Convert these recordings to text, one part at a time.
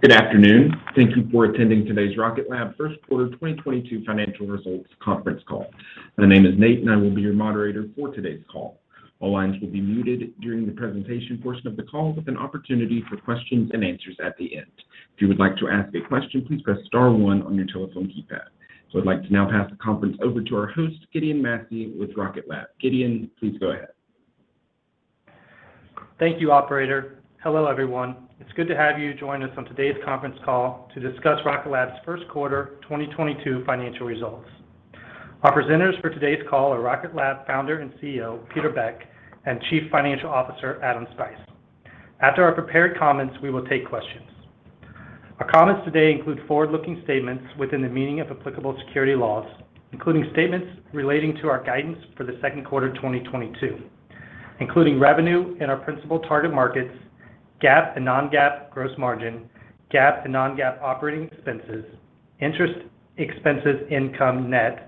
Good afternoon. Thank you for attending today's Rocket Lab first quarter 2022 financial results conference call. My name is Nate, and I will be your moderator for today's call. All lines will be muted during the presentation portion of the call with an opportunity for questions and answers at the end. If you would like to ask a question, please press star one on your telephone keypad. I'd like to now pass the conference over to our host, Gideon Massey with Rocket Lab. Gideon, please go ahead. Thank you, operator. Hello, everyone. It's good to have you join us on today's conference call to discuss Rocket Lab's first quarter 2022 financial results. Our presenters for today's call are Rocket Lab Founder and CEO, Peter Beck, and Chief Financial Officer, Adam Spice. After our prepared comments, we will take questions. Our comments today include forward-looking statements within the meaning of applicable securities laws, including statements relating to our guidance for the second quarter 2022, including revenue in our principal target markets, GAAP and non-GAAP gross margin, GAAP and non-GAAP operating expenses, interest expense income net,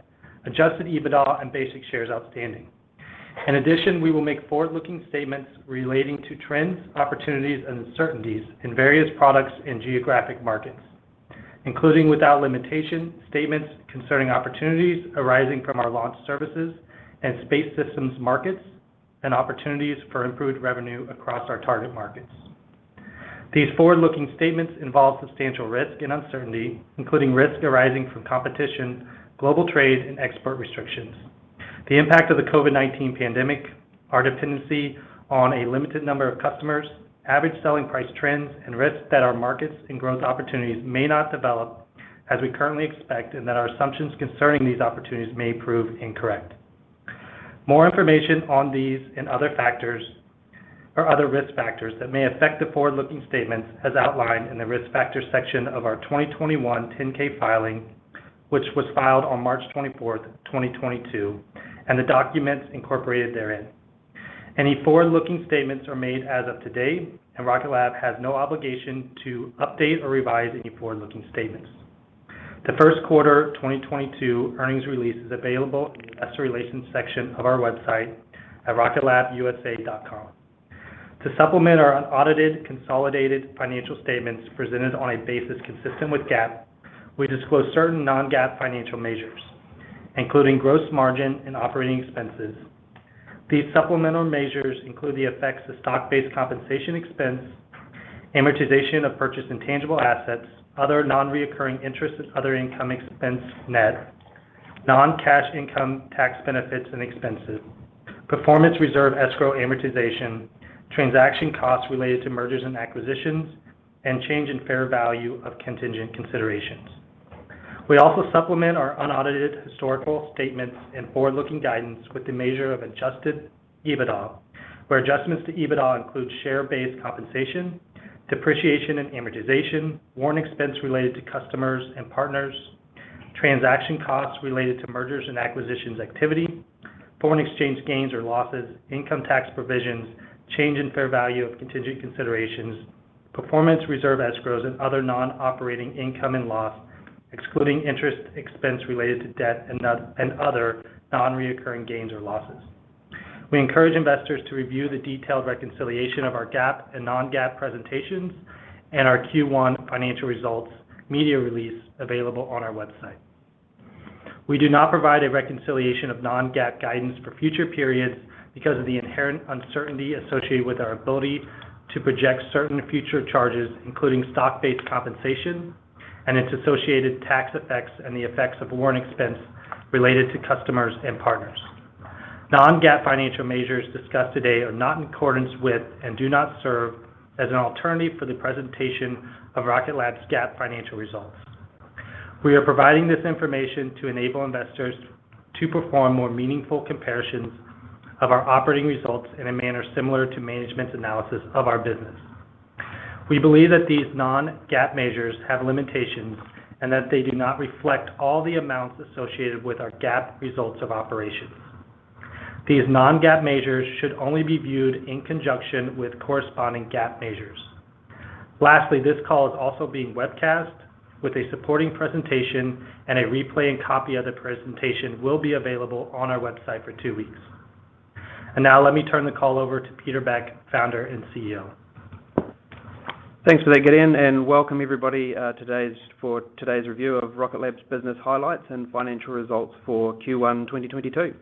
Adjusted EBITDA and basic shares outstanding. In addition, we will make forward-looking statements relating to trends, opportunities and certainties in various products and geographic markets, including, without limitation, statements concerning opportunities arising from our launch services and space systems markets and opportunities for improved revenue across our target markets. These forward-looking statements involve substantial risk and uncertainty, including risk arising from competition, global trade, and export restrictions, the impact of the COVID-19 pandemic, our dependency on a limited number of customers, average selling price trends, and risks that our markets and growth opportunities may not develop as we currently expect, and that our assumptions concerning these opportunities may prove incorrect. More information on these and other factors or other risk factors that may affect the forward-looking statements as outlined in the Risk Factors section of our 2021 10-K filing, which was filed on March 24th, 2022, and the documents incorporated therein. Any forward-looking statements are made as of today, and Rocket Lab has no obligation to update or revise any forward-looking statements. The first quarter 2022 earnings release is available at the Investor Relations section of our website at rocketlabusa.com. To supplement our unaudited consolidated financial statements presented on a basis consistent with GAAP, we disclose certain non-GAAP financial measures, including gross margin and operating expenses. These supplemental measures include the effects of stock-based compensation expense, amortization of purchased intangible assets, other non-recurring interest and other income expense net, non-cash income tax benefits and expenses, performance reserve escrow amortization, transaction costs related to mergers and acquisitions, and change in fair value of contingent considerations. We also supplement our unaudited historical statements and forward-looking guidance with the measure of Adjusted EBITDA, where adjustments to EBITDA include share-based compensation, depreciation and amortization, warrant expense related to customers and partners, transaction costs related to mergers and acquisitions activity, foreign exchange gains or losses, income tax provisions, change in fair value of contingent considerations, performance reserve escrows, and other non-operating income and loss, excluding interest expense related to debt and other non-recurring gains or losses. We encourage investors to review the detailed reconciliation of our GAAP and non-GAAP presentations and our Q1 financial results media release available on our website. We do not provide a reconciliation of non-GAAP guidance for future periods because of the inherent uncertainty associated with our ability to project certain future charges, including stock-based compensation and its associated tax effects and the effects of warrant expense related to customers and partners. Non-GAAP financial measures discussed today are not in accordance with and do not serve as an alternative for the presentation of Rocket Lab's GAAP financial results. We are providing this information to enable investors to perform more meaningful comparisons of our operating results in a manner similar to management's analysis of our business. We believe that these non-GAAP measures have limitations and that they do not reflect all the amounts associated with our GAAP results of operations. These non-GAAP measures should only be viewed in conjunction with corresponding GAAP measures. Lastly, this call is also being webcast with a supporting presentation, and a replay and copy of the presentation will be available on our website for two weeks. Now let me turn the call over to Peter Beck, Founder and CEO. Thanks for that, Gideon, and welcome everybody, for today's review of Rocket Lab's business highlights and financial results for Q1 2022.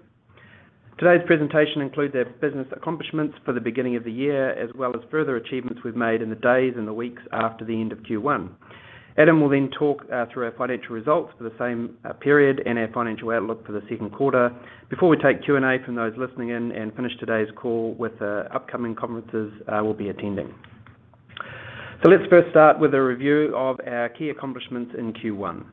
Today's presentation includes our business accomplishments for the beginning of the year, as well as further achievements we've made in the days and the weeks after the end of Q1. Adam will then talk through our financial results for the same period and our financial outlook for the second quarter before we take Q&A from those listening in and finish today's call with the upcoming conferences we'll be attending. Let's first start with a review of our key accomplishments in Q1.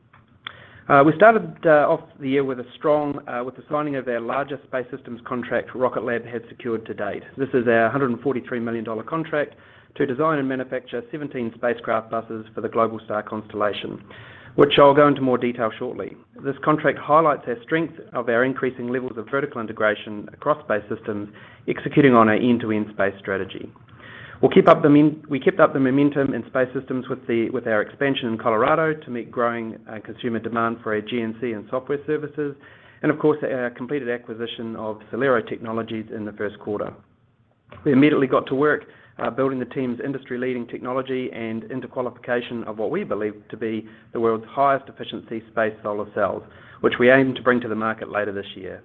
We started off the year with the signing of our largest space systems contract Rocket Lab has secured to date. This is our $143 million contract to design and manufacture 17 spacecraft buses for the Globalstar constellation, which I'll go into more detail shortly. This contract highlights the strength of our increasing levels of vertical integration across space systems, executing on our end-to-end space strategy. We kept up the momentum in space systems with our expansion in Colorado to meet growing consumer demand for our GNC and software services, and of course, our completed acquisition of SolAero Technologies in the first quarter. We immediately got to work building the team's industry-leading technology and into qualification of what we believe to be the world's highest efficiency space solar cells, which we aim to bring to the market later this year.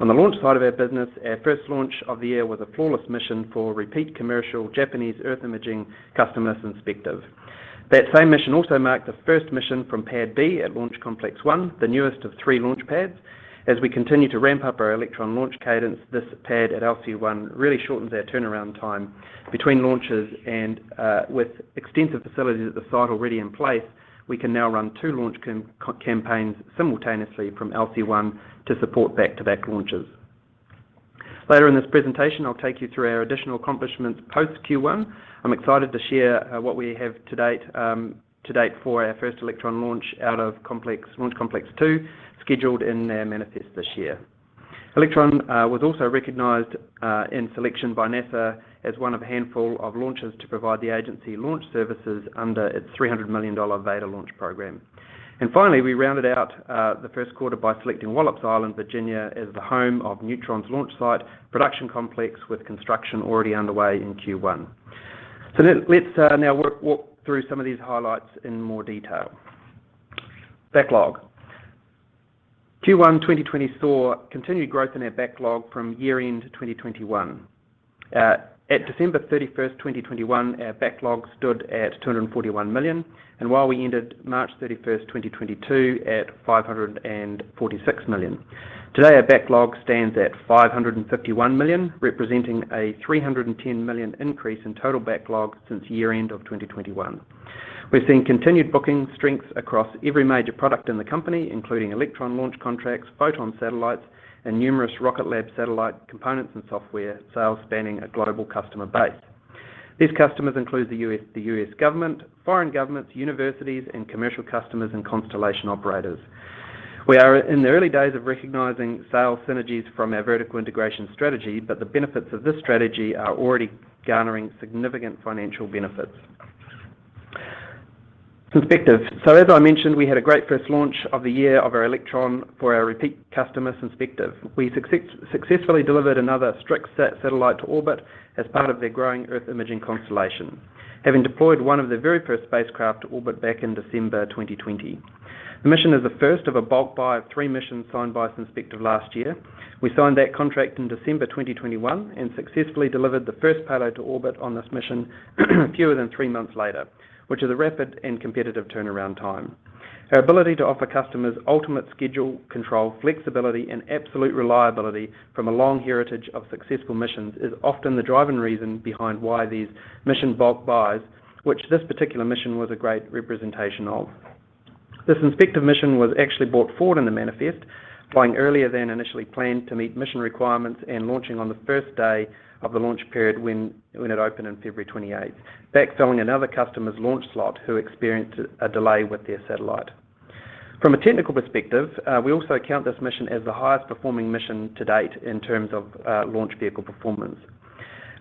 On the launch side of our business, our first launch of the year was a flawless mission for repeat commercial Japanese Earth imaging customer Synspective. That same mission also marked the first mission from Pad B at Launch Complex 1, the newest of three launch pads. As we continue to ramp-up our Electron launch cadence, this pad at LC-1 really shortens our turnaround time between launches and, with extensive facilities at the site already in place, we can now run two launch campaigns simultaneously from LC-1 to support back-to-back launches. Later in this presentation, I'll take you through our additional accomplishments post Q1. I'm excited to share what we have to date for our first Electron launch out of Launch Complex 2, scheduled in our manifest this year. Electron was also recognized in selection by NASA as one of a handful of launchers to provide the agency launch services under its $300 million VADR launch program. Finally, we rounded out the first quarter by selecting Wallops Island, Virginia, as the home of Neutron's launch site production complex, with construction already underway in Q1. Let's now walk through some of these highlights in more detail. Backlog. Q1 2022 saw continued growth in our backlog from year-end 2021. At December 31st, 2021, our backlog stood at $241 million, and while we ended March 31st, 2022, at $546 million. Today, our backlog stands at $551 million, representing a $310 million increase in total backlog since year-end 2021. We're seeing continued booking strength across every major product in the company, including Electron launch contracts, Photon satellites, and numerous Rocket Lab satellite components and software sales spanning a global customer base. These customers include the U.S., the U.S. government, foreign governments, universities, and commercial customers and constellation operators. We are in the early days of recognizing sales synergies from our vertical integration strategy, but the benefits of this strategy are already garnering significant financial benefits. Synspective. As I mentioned, we had a great first launch of the year of our Electron for our repeat customer, Synspective. We successfully delivered another StriX satellite to orbit as part of their growing Earth imaging constellation, having deployed one of their very first spacecraft to orbit back in December 2020. The mission is the first of a bulk buy of three missions signed by Synspective last year. We signed that contract in December 2021 and successfully delivered the first payload to orbit on this mission fewer than three months later, which is a rapid and competitive turnaround time. Our ability to offer customers ultimate schedule control, flexibility, and absolute reliability from a long heritage of successful missions is often the driving reason behind why these mission bulk buys, which this particular mission was a great representation of. This Synspective mission was actually brought forward in the manifest, flying earlier than initially planned to meet mission requirements and launching on the first day of the launch period when it opened on February 28, backfilling another customer's launch slot who experienced a delay with their satellite. From a technical perspective, we also count this mission as the highest performing mission to date in terms of launch vehicle performance.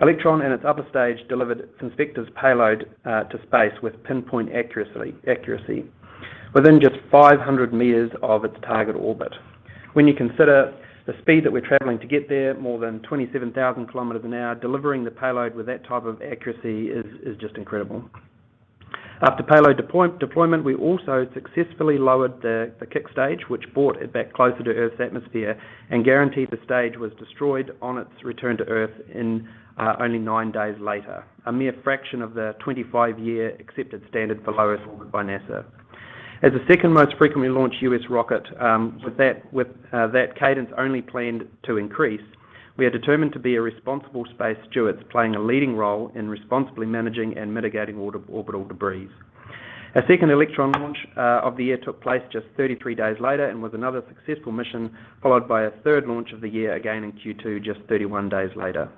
Electron and its upper stage delivered Synspective's payload to space with pinpoint accuracy within just 500 m of its target orbit. When you consider the speed that we're traveling to get there, more than 27,000 km/h, delivering the payload with that type of accuracy is just incredible. After payload deployment, we also successfully lowered the kick stage, which brought it back closer to Earth's atmosphere and guaranteed the stage was destroyed on its return to Earth in only nine days later, a mere fraction of the 25-year accepted standard for low Earth orbit by NASA. As the second most frequently launched U.S. rocket with that cadence only planned to increase, we are determined to be responsible space stewards, playing a leading role in responsibly managing and mitigating orbital debris. Our second Electron launch of the year took place just 33 days later and was another successful mission, followed by a third launch of the year, again in Q2, just 31 days later.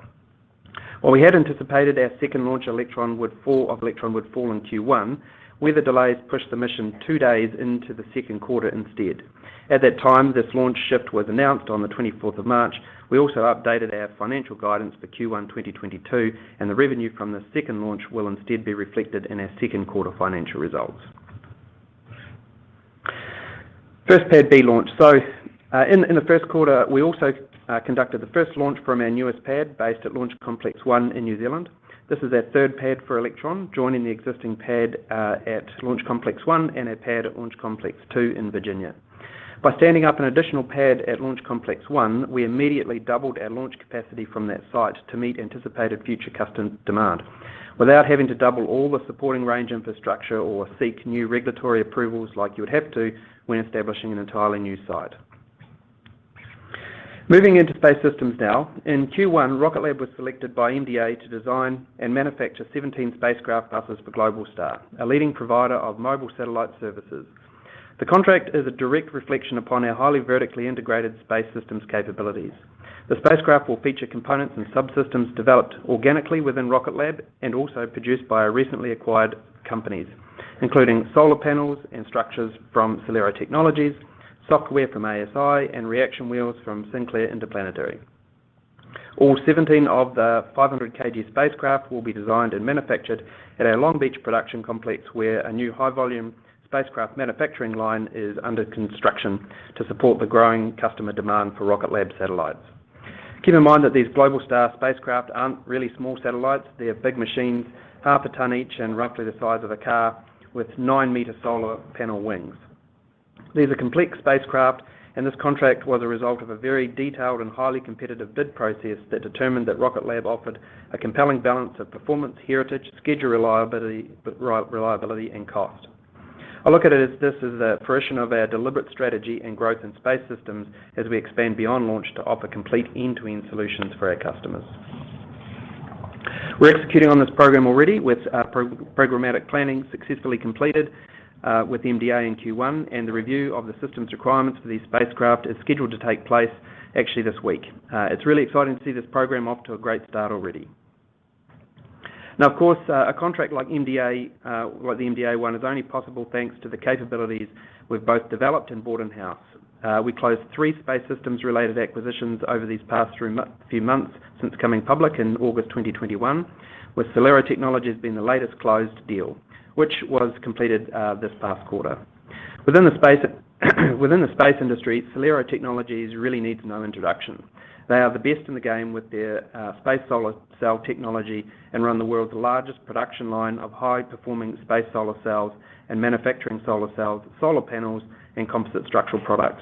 While we had anticipated our second Electron launch would fall in Q1, weather delays pushed the mission two days into the second quarter instead. At that time, this launch shift was announced on the 24th of March. We also updated our financial guidance for Q1 2022, and the revenue from the second launch will instead be reflected in our second quarter financial results. First Pad B launch. In the first quarter, we also conducted the first launch from our newest pad based at Launch Complex 1 in New Zealand. This is our third pad for Electron, joining the existing pad at Launch Complex 1 and our pad at Launch Complex 2 in Virginia. By standing up an additional pad at Launch Complex 1, we immediately doubled our launch capacity from that site to meet anticipated future custom demand without having to double all the supporting range infrastructure or seek new regulatory approvals like you would have to when establishing an entirely new site. Moving into space systems now. In Q1, Rocket Lab was selected by MDA to design and manufacture 17 spacecraft buses for Globalstar, a leading provider of mobile satellite services. The contract is a direct reflection upon our highly vertically integrated space systems capabilities. The spacecraft will feature components and subsystems developed organically within Rocket Lab and also produced by our recently acquired companies, including solar panels and structures from SolAero Technologies, software from ASI, and reaction wheels from Sinclair Interplanetary. All 17 of the 500 kg spacecraft will be designed and manufactured at our Long Beach production complex, where a new high-volume spacecraft manufacturing line is under construction to support the growing customer demand for Rocket Lab satellites. Keep in mind that these Globalstar spacecraft aren't really small satellites. They're big machines, half a ton each and roughly the size of a car with 9-m solar panel wings. These are complex spacecraft, and this contract was a result of a very detailed and highly competitive bid process that determined that Rocket Lab offered a compelling balance of performance, heritage, schedule reliability, and cost. I look at it as this is a fruition of our deliberate strategy and growth in space systems as we expand beyond launch to offer complete end-to-end solutions for our customers. We're executing on this program already with programmatic planning successfully completed with MDA in Q1, and the review of the system's requirements for these spacecraft is scheduled to take place actually this week. It's really exciting to see this program off to a great start already. Now, of course, a contract like the MDA one is only possible thanks to the capabilities we've both developed and bought in-house. We closed 3 space systems related acquisitions over these past few months since coming public in August 2021, with SolAero Technologies being the latest closed deal, which was completed this past quarter. Within the space industry, SolAero Technologies really needs no introduction. They are the best in the game with their space solar cell technology and run the world's largest production line of high-performing space solar cells and manufacturing solar cells, solar panels, and composite structural products.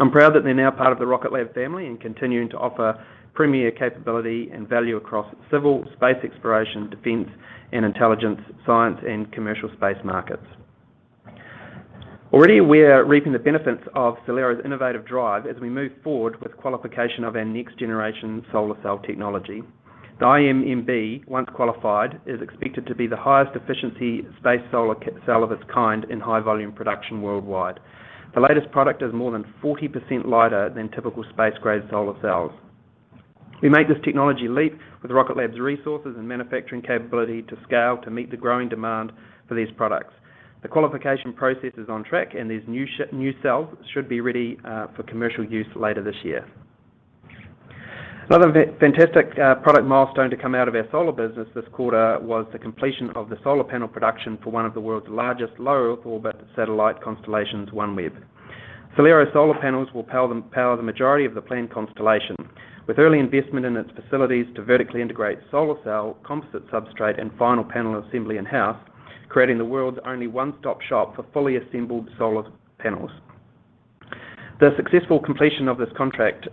I'm proud that they're now part of the Rocket Lab family and continuing to offer premier capability and value across civil, space exploration, defense, and intelligence, science, and commercial space markets. Already, we're reaping the benefits of SolAero's innovative drive as we move forward with qualification of our next-generation solar cell technology. The IMM-β, once qualified, is expected to be the highest efficiency space solar cell of its kind in high volume production worldwide. The latest product is more than 40% lighter than typical space-grade solar cells. We made this technology leap with Rocket Lab's resources and manufacturing capability to scale to meet the growing demand for these products. The qualification process is on track, and these new cells should be ready for commercial use later this year. Another fantastic product milestone to come out of our solar business this quarter was the completion of the solar panel production for one of the world's largest low Earth orbit satellite constellations, OneWeb. SolAero solar panels will power the majority of the planned constellation. With early investment in its facilities to vertically integrate solar cell, composite substrate, and final panel assembly in-house, creating the world's only one-stop shop for fully assembled solar panels. The successful completion of this contract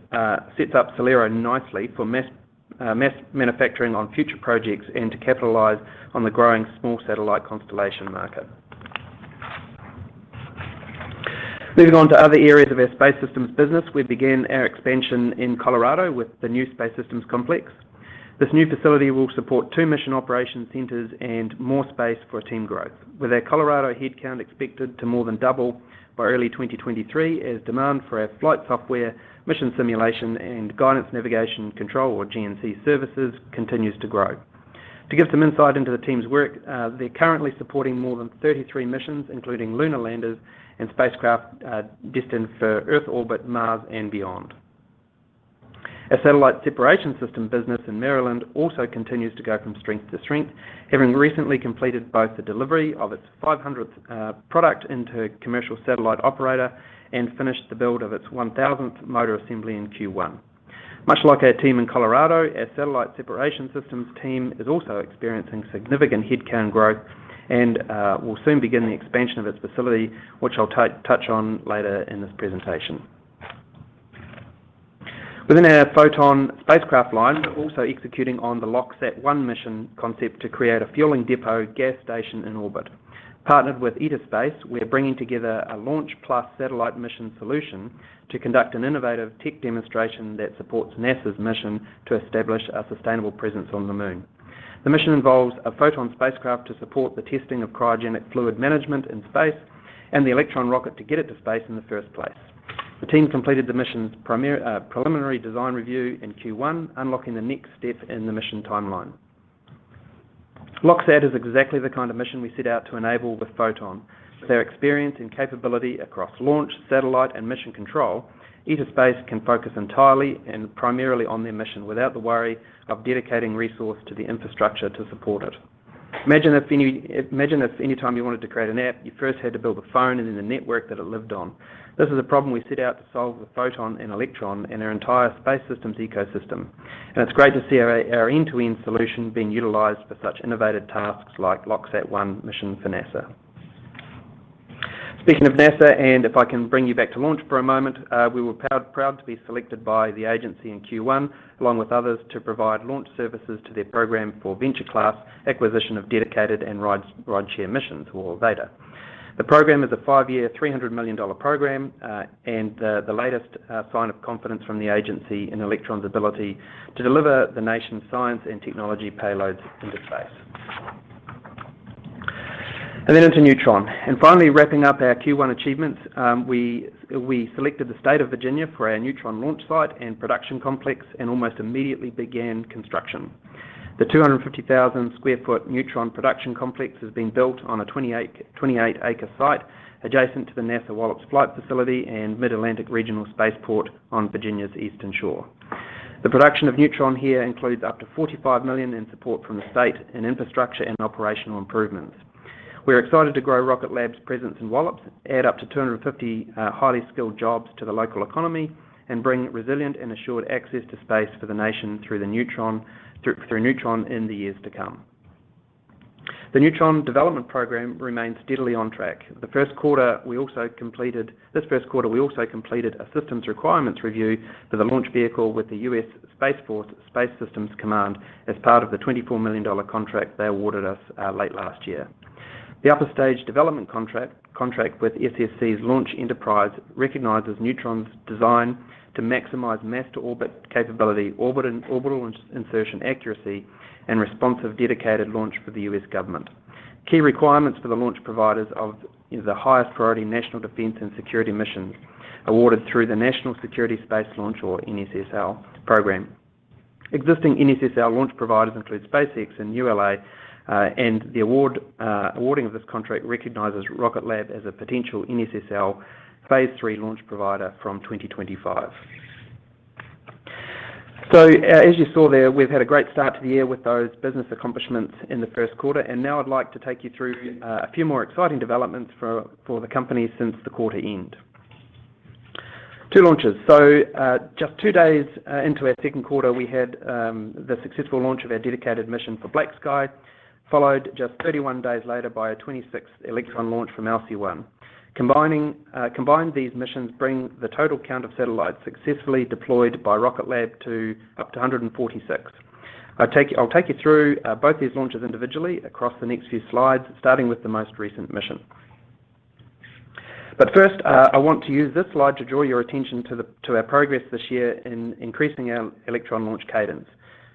sets up SolAero nicely for mass manufacturing on future projects and to capitalize on the growing small satellite constellation market. Moving on to other areas of our space systems business, we began our expansion in Colorado with the new space systems complex. This new facility will support two mission operation centers and more space for team growth, with our Colorado headcount expected to more than double by early 2023 as demand for our flight software, mission simulation, and guidance, navigation, and control or GNC services continues to grow. To give some insight into the team's work, they're currently supporting more than 33 missions, including lunar landers and spacecraft, destined for Earth orbit, Mars, and beyond. Our satellite separation system business in Maryland also continues to go from strength to strength, having recently completed both the delivery of its 500th product into a commercial satellite operator and finished the build of its 1,000th motor assembly in Q1. Much like our team in Colorado, our satellite separation systems team is also experiencing significant headcount growth and will soon begin the expansion of its facility, which I'll touch on later in this presentation. Within our Photon spacecraft line, we're also executing on the LOXSAT-1 mission concept to create a fueling depot gas station in orbit. Partnered with Eta Space, we're bringing together a launch plus satellite mission solution to conduct an innovative tech demonstration that supports NASA's mission to establish a sustainable presence on the Moon. The mission involves a Photon spacecraft to support the testing of cryogenic fluid management in space and the Electron rocket to get it to space in the first place. The team completed the mission's preliminary design review in Q1, unlocking the next step in the mission timeline. LOXSAT is exactly the kind of mission we set out to enable with Photon. With their experience and capability across launch, satellite, and mission control, Eta Space can focus entirely and primarily on their mission without the worry of dedicating resource to the infrastructure to support it. Imagine if any time you wanted to create an app, you first had to build a phone and then the network that it lived on. This is a problem we set out to solve with Photon and Electron and our entire space systems ecosystem, and it's great to see our end-to-end solution being utilized for such innovative tasks like LOXSAT-1 mission for NASA. Speaking of NASA, if I can bring you back to launch for a moment, we were proud to be selected by the agency in Q1, along with others, to provide launch services to their program for Venture Class Acquisition of Dedicated and Rideshare Missions or VADR. The program is a five-year, $300 million program, and the latest sign of confidence from the agency in Electron's ability to deliver the nation's science and technology payloads into space. Then onto Neutron. Finally, wrapping up our Q1 achievements, we selected the state of Virginia for our Neutron launch site and production complex and almost immediately began construction. The 250,000 sq ft Neutron production complex is being built on a 28-acre site adjacent to the NASA Wallops Flight Facility and Mid-Atlantic Regional Spaceport on Virginia's Eastern Shore. The production of Neutron here includes up to $45 million in support from the state in infrastructure and operational improvements. We're excited to grow Rocket Lab's presence in Wallops, add up to 250 highly skilled jobs to the local economy, and bring resilient and assured access to space for the nation through Neutron in the years to come. The Neutron development program remains steadily on track. This first quarter, we also completed a systems requirements review for the launch vehicle with the U.S. Space Force Space Systems Command as part of the $24 million contract they awarded us late last year. The upper stage development contract with SSC's Launch Enterprise recognizes Neutron's design to maximize mass to orbit capability, orbital in-insertion accuracy, and responsive, dedicated launch for the U.S. government. Key requirements for the launch providers of the highest priority national defense and security missions awarded through the National Security Space Launch, or NSSL, program. Existing NSSL launch providers include SpaceX and ULA, and the awarding of this contract recognizes Rocket Lab as a potential NSSL phase three launch provider from 2025. As you saw there, we've had a great start to the year with those business accomplishments in the first quarter. Now I'd like to take you through a few more exciting developments for the company since the quarter end. Two launches. Just two days into our second quarter, we had the successful launch of our dedicated mission for BlackSky, followed just 31 days later by our 26th Electron launch from LC One. Combined, these missions bring the total count of satellites successfully deployed by Rocket Lab to up to 146. I'll take you through both these launches individually across the next few slides, starting with the most recent mission. First, I want to use this slide to draw your attention to our progress this year in increasing our Electron launch cadence.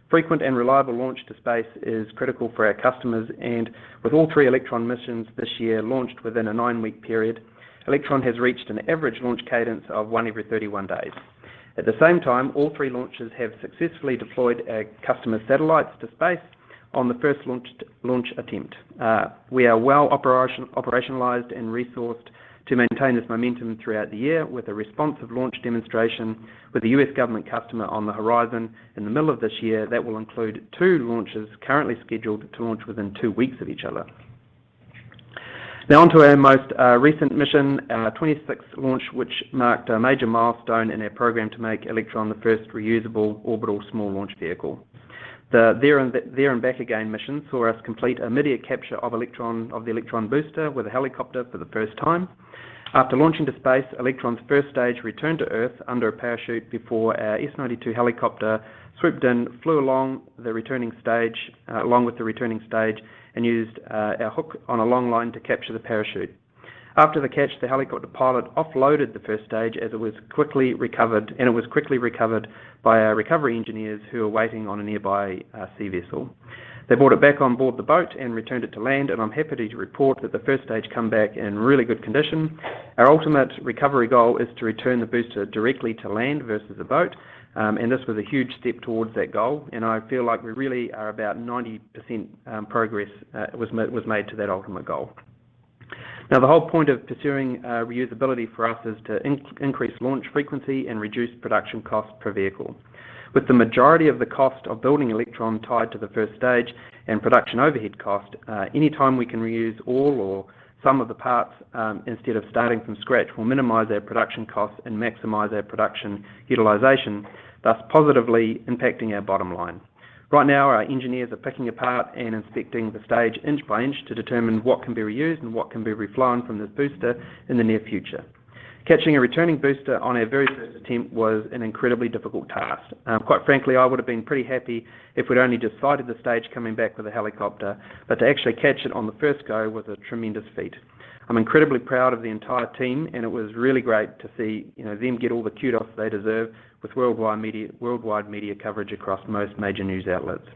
Frequent and reliable launch to space is critical for our customers, and with all three Electron missions this year launched within a nine-week period, Electron has reached an average launch cadence of one every 31 days. At the same time, all three launches have successfully deployed our customers' satellites to space on the first launch attempt. We are well operationalized and resourced to maintain this momentum throughout the year with a responsive launch demonstration with the U.S. government customer on the horizon in the middle of this year. That will include 2 launches currently scheduled to launch within 2 weeks of each other. Now on to our most recent mission, 26th launch, which marked a major milestone in our program to make Electron the first reusable orbital small launch vehicle. The There and Back Again mission saw us complete a mid-air capture of the Electron booster with a helicopter for the first time. After launching to space, Electron's first stage returned to Earth under a parachute before our S-92 helicopter swooped in, flew along the returning stage, and used our hook on a long line to capture the parachute. After the catch, the helicopter pilot offloaded the first stage as it was quickly recovered by our recovery engineers who were waiting on a nearby sea vessel. They brought it back on board the boat and returned it to land, and I'm happy to report that the first stage come back in really good condition. Our ultimate recovery goal is to return the booster directly to land versus a boat, and this was a huge step towards that goal, and I feel like we really are about 90% progress was made to that ultimate goal. Now, the whole point of pursuing reusability for us is to increase launch frequency and reduce production cost per vehicle. With the majority of the cost of building Electron tied to the first stage and production overhead cost, any time we can reuse all or some of the parts, instead of starting from scratch, we'll minimize our production costs and maximize our production utilization, thus positively impacting our bottom line. Right now, our engineers are picking apart and inspecting the stage inch by inch to determine what can be reused and what can be reflown from this booster in the near future. Catching a returning booster on our very first attempt was an incredibly difficult task. Quite frankly, I would have been pretty happy if we'd only just sighted the stage coming back with a helicopter. To actually catch it on the first go was a tremendous feat. I'm incredibly proud of the entire team, and it was really great to see, you know, them get all the kudos they deserve with worldwide media coverage across most major news outlets.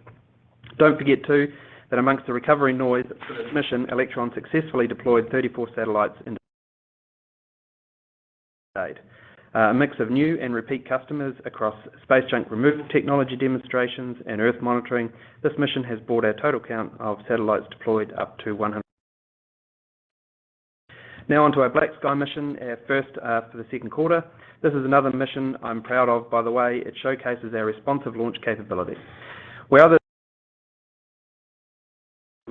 Don't forget, too, that amongst the recovery noise for this mission, Electron successfully deployed 34 satellites into space. A mix of new and repeat customers across space junk removal technology demonstrations and Earth monitoring. This mission has brought our total count of satellites deployed up to 100. Now onto our BlackSky mission, our first for the second quarter. This is another mission I'm proud of, by the way. It showcases our responsive launch capability. Where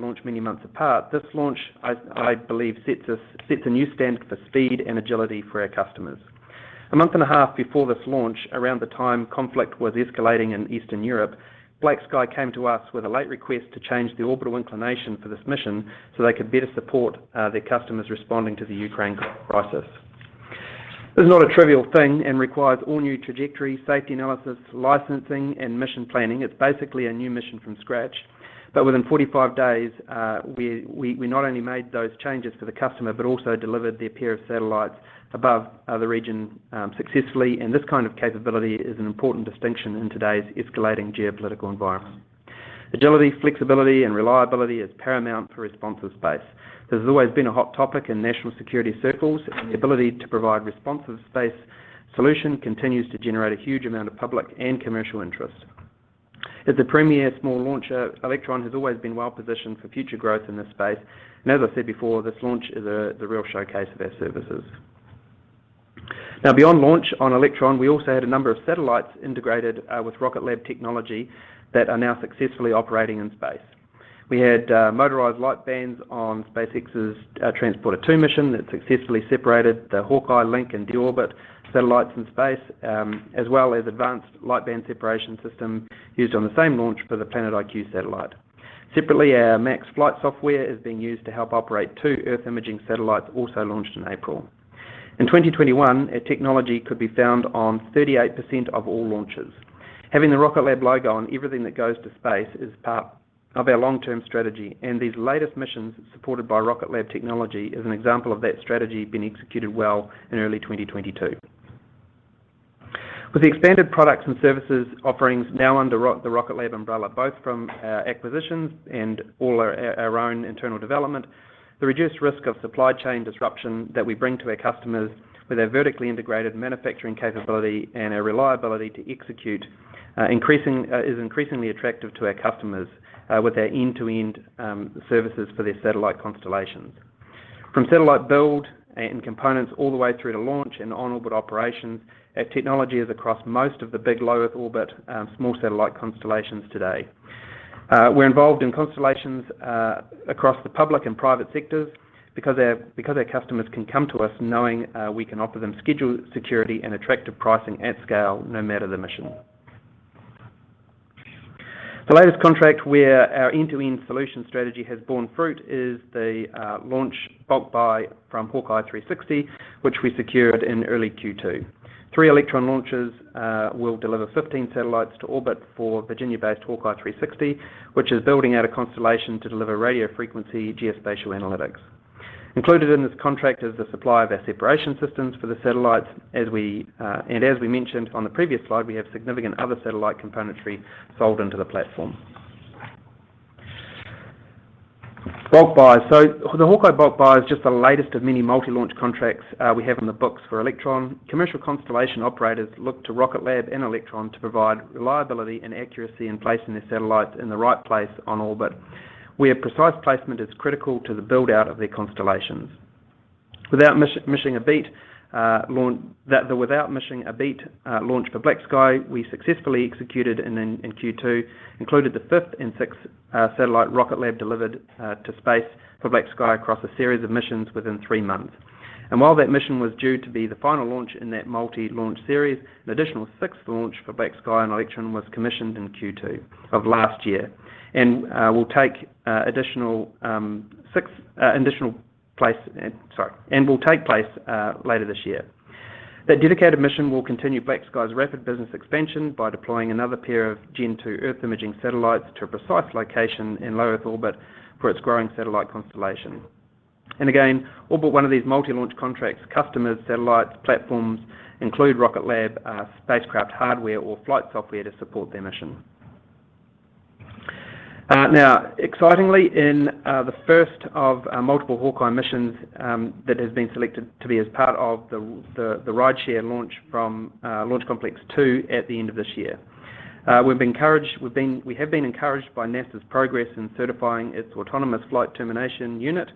others may have to launch many months apart, this launch I believe sets a new standard for speed and agility for our customers. A month and a half before this launch, around the time conflict was escalating in Eastern Europe, BlackSky came to us with a late request to change the orbital inclination for this mission so they could better support their customers responding to the Ukraine crisis. This is not a trivial thing and requires all new trajectory, safety analysis, licensing, and mission planning. It's basically a new mission from scratch. Within 45 days, we not only made those changes for the customer, but also delivered their pair of satellites above the region successfully. This kind of capability is an important distinction in today's escalating geopolitical environment. Agility, flexibility, and reliability is paramount for responsive space. This has always been a hot topic in national security circles, and the ability to provide responsive space solution continues to generate a huge amount of public and commercial interest. As a premier small launcher, Electron has always been well-positioned for future growth in this space, and as I said before, this launch is the real showcase of our services. Now, beyond launch on Electron, we also had a number of satellites integrated with Rocket Lab technology that are now successfully operating in space. We had motorized light bands on SpaceX's Transporter-2 mission that successfully separated the HawkEye 360 and D-Orbit satellites in space, as well as advanced light band separation system used on the same launch for the PlanetiQ satellite. Separately, our MAX flight software is being used to help operate two Earth-imaging satellites also launched in April. In 2021, our technology could be found on 38% of all launches. Having the Rocket Lab logo on everything that goes to space is part of our long-term strategy, and these latest missions supported by Rocket Lab technology is an example of that strategy being executed well in early 2022. With the expanded products and services offerings now under the Rocket Lab umbrella, both from our acquisitions and all our own internal development, the reduced risk of supply chain disruption that we bring to our customers with our vertically integrated manufacturing capability and our reliability to execute is increasingly attractive to our customers with our end-to-end services for their satellite constellations. From satellite build and components all the way through to launch and on-orbit operations, our technology is across most of the big low Earth orbit small satellite constellations today. We're involved in constellations across the public and private sectors because our customers can come to us knowing we can offer them schedule security and attractive pricing at scale, no matter the mission. The latest contract where our end-to-end solution strategy has borne fruit is the launch bulk buy from HawkEye 360, which we secured in early Q2. Three Electron launches will deliver 15 satellites to orbit for Virginia-based HawkEye 360, which is building out a constellation to deliver radio frequency geospatial analytics. Included in this contract is the supply of our separation systems for the satellites as we and as we mentioned on the previous slide, we have significant other satellite componentry sold into the platform. Bulk buys. The HawkEye 360 bulk buy is just the latest of many multi-launch contracts we have on the books for Electron. Commercial constellation operators look to Rocket Lab and Electron to provide reliability and accuracy in placing their satellites in the right place on orbit, where precise placement is critical to the build-out of their constellations. Without missing a beat, launch for BlackSky, we successfully executed in Q2, included the fifth and sixth satellite Rocket Lab delivered to space for BlackSky across a series of missions within three months. While that mission was due to be the final launch in that multi-launch series, an additional sixth launch for BlackSky on Electron was commissioned in Q2 of last year and will take place later this year. That dedicated mission will continue BlackSky's rapid business expansion by deploying another pair of Gen 2 Earth-imaging satellites to a precise location in low Earth orbit for its growing satellite constellation. Again, all but one of these multi-launch contracts, customers, satellites, platforms include Rocket Lab spacecraft hardware or flight software to support their mission. Now, excitingly, in the first of multiple HawkEye missions that has been selected to be a part of the rideshare launch from Launch Complex 2 at the end of this year. We have been encouraged by NASA's progress in certifying its autonomous flight termination unit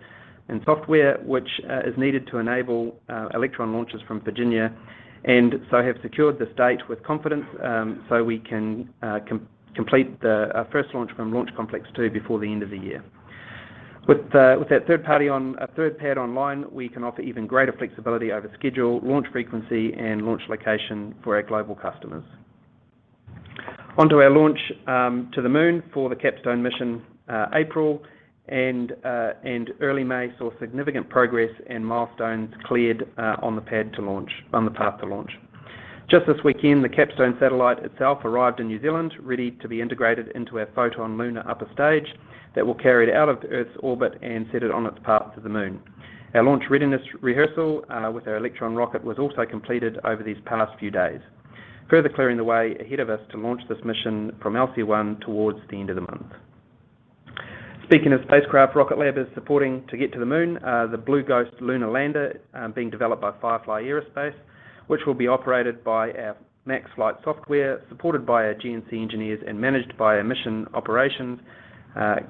and software, which is needed to enable Electron launches from Virginia and so have secured this date with confidence, so we can complete the first launch from Launch Complex 2 before the end of the year. With that third pad online, we can offer even greater flexibility over schedule, launch frequency, and launch location for our global customers. Onto our launch to the Moon for the CAPSTONE mission, April and early May saw significant progress and milestones cleared on the pad to launch, on the path to launch. Just this weekend, the CAPSTONE satellite itself arrived in New Zealand, ready to be integrated into our Photon lunar upper stage that will carry it out of the Earth's orbit and set it on its path to the Moon. Our launch readiness rehearsal with our Electron rocket was also completed over these past few days, further clearing the way ahead of us to launch this mission from LC-1 towards the end of the month. Speaking of spacecraft Rocket Lab is supporting to get to the Moon, the Blue Ghost lunar lander being developed by Firefly Aerospace, which will be operated by our MAX flight software, supported by our GNC engineers, and managed by our mission operations,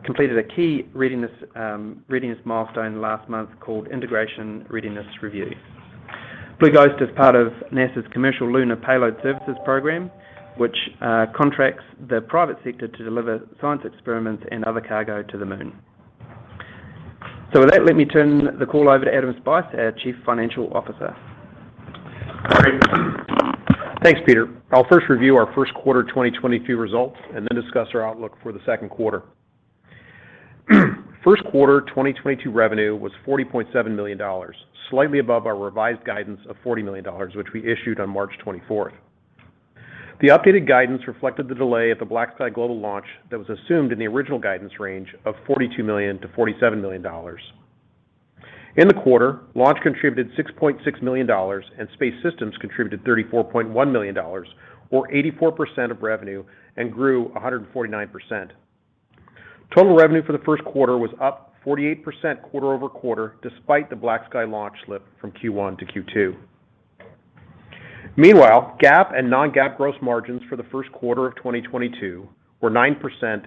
completed a key readiness milestone last month called Integration Readiness Review. Blue Ghost is part of NASA's Commercial Lunar Payload Services program, which contracts the private sector to deliver science experiments and other cargo to the Moon. With that, let me turn the call over to Adam Spice, our Chief Financial Officer. All right. Thanks, Peter. I'll first review our first quarter 2022 results and then discuss our outlook for the second quarter. First quarter 2022 revenue was $40.7 million, slightly above our revised guidance of $40 million, which we issued on March 24th. The updated guidance reflected the delay of the BlackSky launch that was assumed in the original guidance range of $42 million-$47 million. In the quarter, launch contributed $6.6 million and space systems contributed $34.1 million, or 84% of revenue and grew 149%. Total revenue for the first quarter was up 48% quarter-over-quarter, despite the BlackSky launch slip from Q1 to Q2. Meanwhile, GAAP and non-GAAP gross margins for the first quarter of 2022 were 9%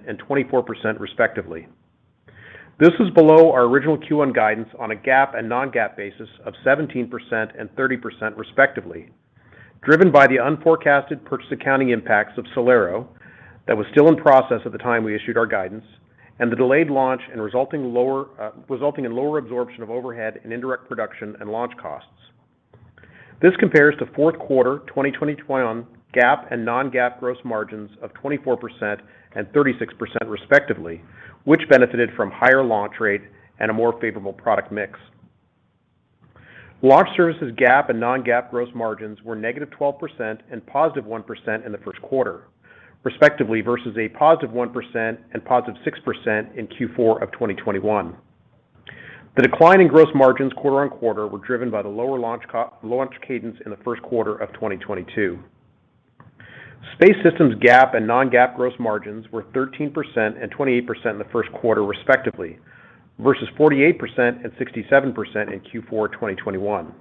and 24% respectively. This is below our original Q1 guidance on a GAAP and non-GAAP basis of 17% and 30% respectively, driven by the unforecasted purchase accounting impacts of SolAero that was still in process at the time we issued our guidance and the delayed launch and resulting in lower absorption of overhead and indirect production and launch costs. This compares to fourth quarter 2021 GAAP and non-GAAP gross margins of 24% and 36% respectively, which benefited from higher launch rate and a more favorable product mix. Launch Services GAAP and non-GAAP gross margins were negative 12% and positive 1% in the first quarter, respectively, versus a positive 1% and positive 6% in Q4 of 2021. The decline in gross margins quarter-over-quarter was driven by the lower launch cadence in the first quarter of 2022. Space Systems GAAP and non-GAAP gross margins were 13% and 28% in the first quarter, respectively, versus 48% and 67% in Q4 2021.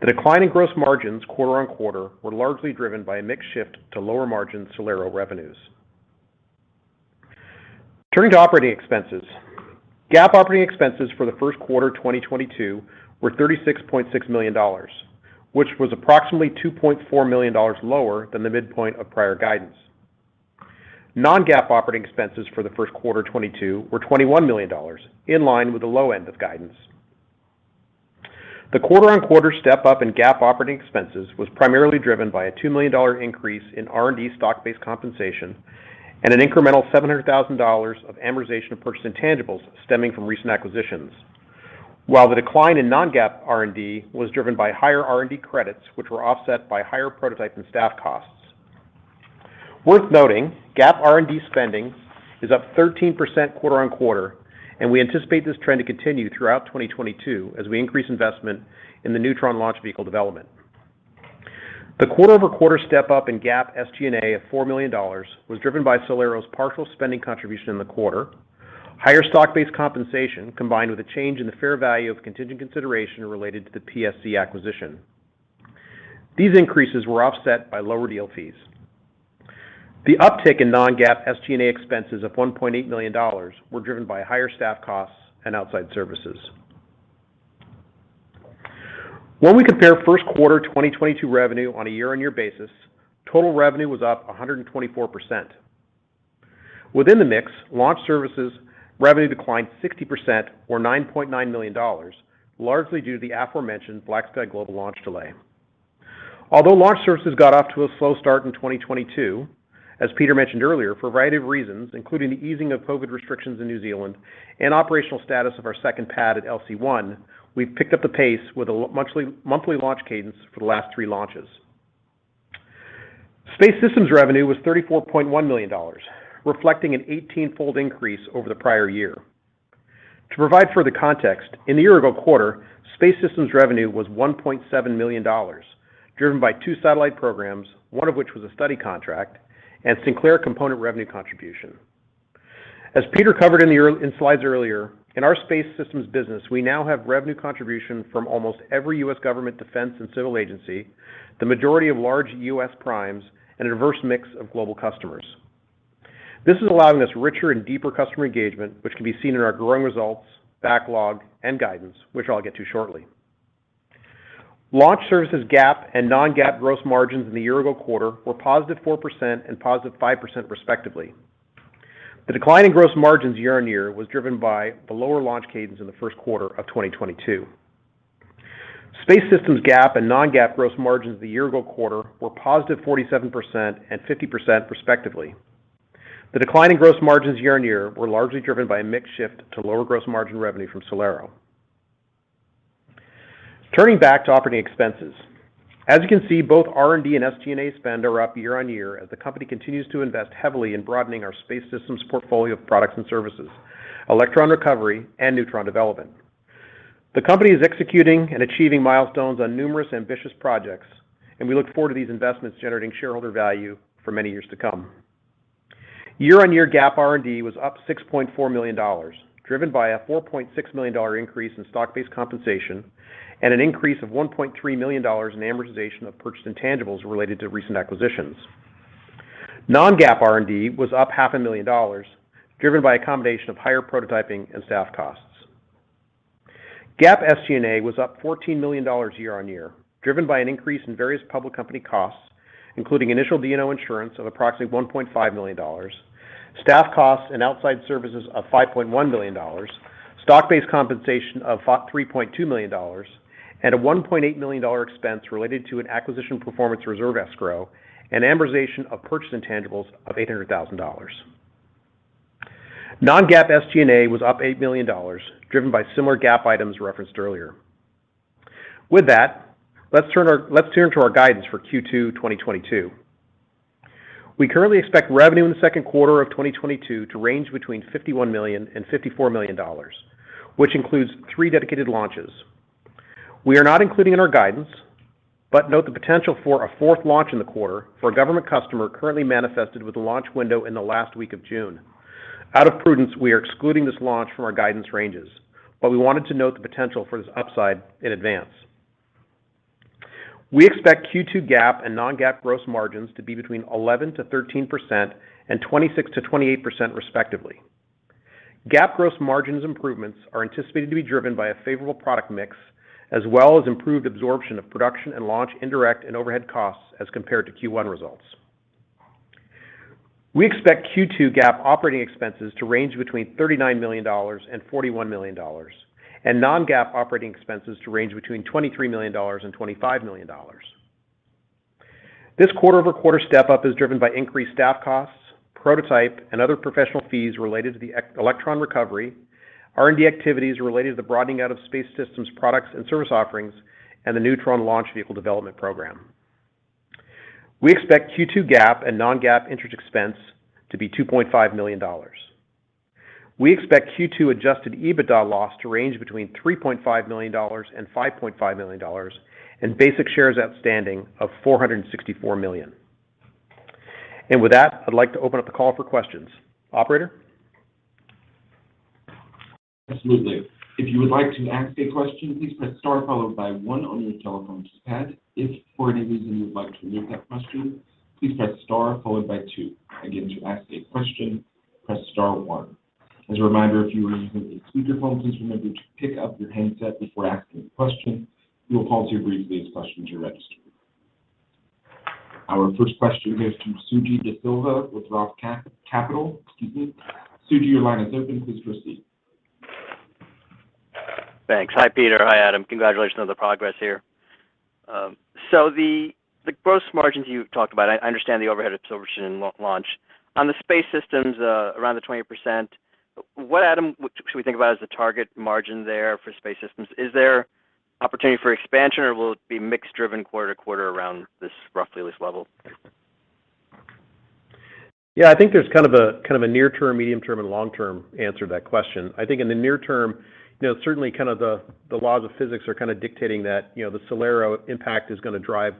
The decline in gross margins quarter-over-quarter was largely driven by a mix shift to lower margin SolAero revenues. Turning to operating expenses. GAAP operating expenses for the first quarter 2022 were $36.6 million, which was approximately $2.4 million lower than the midpoint of prior guidance. Non-GAAP operating expenses for the first quarter 2022 were $21 million, in line with the low end of guidance. The quarter-on-quarter step up in GAAP operating expenses was primarily driven by a $2 million increase in R&D stock-based compensation and an incremental $700,000 of amortization of purchased intangibles stemming from recent acquisitions. While the decline in non-GAAP R&D was driven by higher R&D credits, which were offset by higher prototype and staff costs. Worth noting, GAAP R&D spending is up 13% quarter-on-quarter, and we anticipate this trend to continue throughout 2022 as we increase investment in the Neutron launch vehicle development. The quarter-over-quarter step up in GAAP SG&A of $4 million was driven by SolAero's partial spending contribution in the quarter. Higher stock-based compensation, combined with a change in the fair value of contingent consideration related to the PSC acquisition. These increases were offset by lower deal fees. The uptick in non-GAAP SG&A expenses of $1.8 million were driven by higher staff costs and outside services. When we compare first quarter 2022 revenue on a year-over-year basis, total revenue was up 124%. Within the mix, Launch Services revenue declined 60% or $9.9 million, largely due to the aforementioned BlackSky global launch delay. Although Launch Services got off to a slow start in 2022, as Peter mentioned earlier, for a variety of reasons, including the easing of COVID restrictions in New Zealand and operational status of our second pad at LC-1, we've picked up the pace with a monthly launch cadence for the last three launches. Space Systems revenue was $34.1 million, reflecting an 18-fold increase over the prior year. To provide further context, in the year-ago quarter, Space Systems revenue was $1.7 million, driven by two satellite programs, one of which was a study contract, and Sinclair component revenue contribution. As Peter covered in slides earlier, in our Space Systems business, we now have revenue contribution from almost every U.S. government defense and civil agency, the majority of large U.S. primes, and a diverse mix of global customers. This is allowing us richer and deeper customer engagement, which can be seen in our growing results, backlog, and guidance, which I'll get to shortly. Launch Services GAAP and non-GAAP gross margins in the year-ago quarter were positive 4% and positive 5% respectively. The decline in gross margins year-on-year was driven by the lower launch cadence in the first quarter of 2022. Space Systems GAAP and non-GAAP gross margins the year-ago quarter were positive 47% and 50% respectively. The decline in gross margins year-on-year were largely driven by a mix shift to lower gross margin revenue from SolAero. Turning back to operating expenses. As you can see, both R&D and SG&A spend are up year-on-year as the company continues to invest heavily in broadening our Space Systems portfolio of products and services, Electron recovery, and Neutron development. The company is executing and achieving milestones on numerous ambitious projects, and we look forward to these investments generating shareholder value for many years to come. Year-on-year GAAP R&D was up $6.4 million, driven by a $4.6 million increase in stock-based compensation and an increase of $1.3 million in amortization of purchased intangibles related to recent acquisitions. Non-GAAP R&D was up $500,000, driven by a combination of higher prototyping and staff costs. GAAP SG&A was up $14 million year-on-year, driven by an increase in various public company costs, including initial D&O insurance of approximately $1.5 million, staff costs and outside services of $5.1 million, stock-based compensation of $3.2 million, and a $1.8 million expense related to an acquisition performance reserve escrow, and amortization of purchased intangibles of $800,000. Non-GAAP SG&A was up $8 million, driven by similar GAAP items referenced earlier. With that, let's turn to our guidance for Q2 2022. We currently expect revenue in the second quarter of 2022 to range between $51 million and $54 million, which includes three dedicated launches. We are not including in our guidance, but note the potential for a fourth launch in the quarter for a government customer currently manifested with a launch window in the last week of June. Out of prudence, we are excluding this launch from our guidance ranges, but we wanted to note the potential for this upside in advance. We expect Q2 GAAP and non-GAAP gross margins to be between 11%-13% and 26%-28% respectively. GAAP gross margins improvements are anticipated to be driven by a favorable product mix, as well as improved absorption of production and launch indirect and overhead costs as compared to Q1 results. We expect Q2 GAAP operating expenses to range between $39 million and $41 million, and non-GAAP operating expenses to range between $23 million and $25 million. This quarter-over-quarter step-up is driven by increased staff costs, prototype, and other professional fees related to the Electron recovery, R&D activities related to the broadening out of space systems products and service offerings, and the Neutron launch vehicle development program. We expect Q2 GAAP and non-GAAP interest expense to be $2.5 million. We expect Q2 Adjusted EBITDA loss to range between $3.5 million and $5.5 million, and basic shares outstanding of 464 million. With that, I'd like to open up the call for questions. Operator? Absolutely. If you would like to ask a question, please press star followed by one on your telephone's pad. If for any reason you'd like to remove that question, please press star followed by two. Again, to ask a question, press star one. As a reminder, if you are using a speakerphone, please remember to pick up your handset before asking a question. We will pause here briefly as questions are registered. Our first question goes to Suji Desilva with Roth Capital Partners. Excuse me. Suji, your line is open. Please proceed. Thanks. Hi, Peter. Hi, Adam. Congratulations on the progress here. The gross margins you've talked about, I understand the overhead absorption in Launch. On the space systems, around the 20%, what, Adam, should we think about as the target margin there for space systems? Is there opportunity for expansion, or will it be mix-driven quarter-to-quarter around this roughly this level? Yeah. I think there's kind of a near term, medium term, and long term answer to that question. I think in the near term, you know, certainly kind of the laws of physics are kind of dictating that, you know, the SolAero impact is gonna drive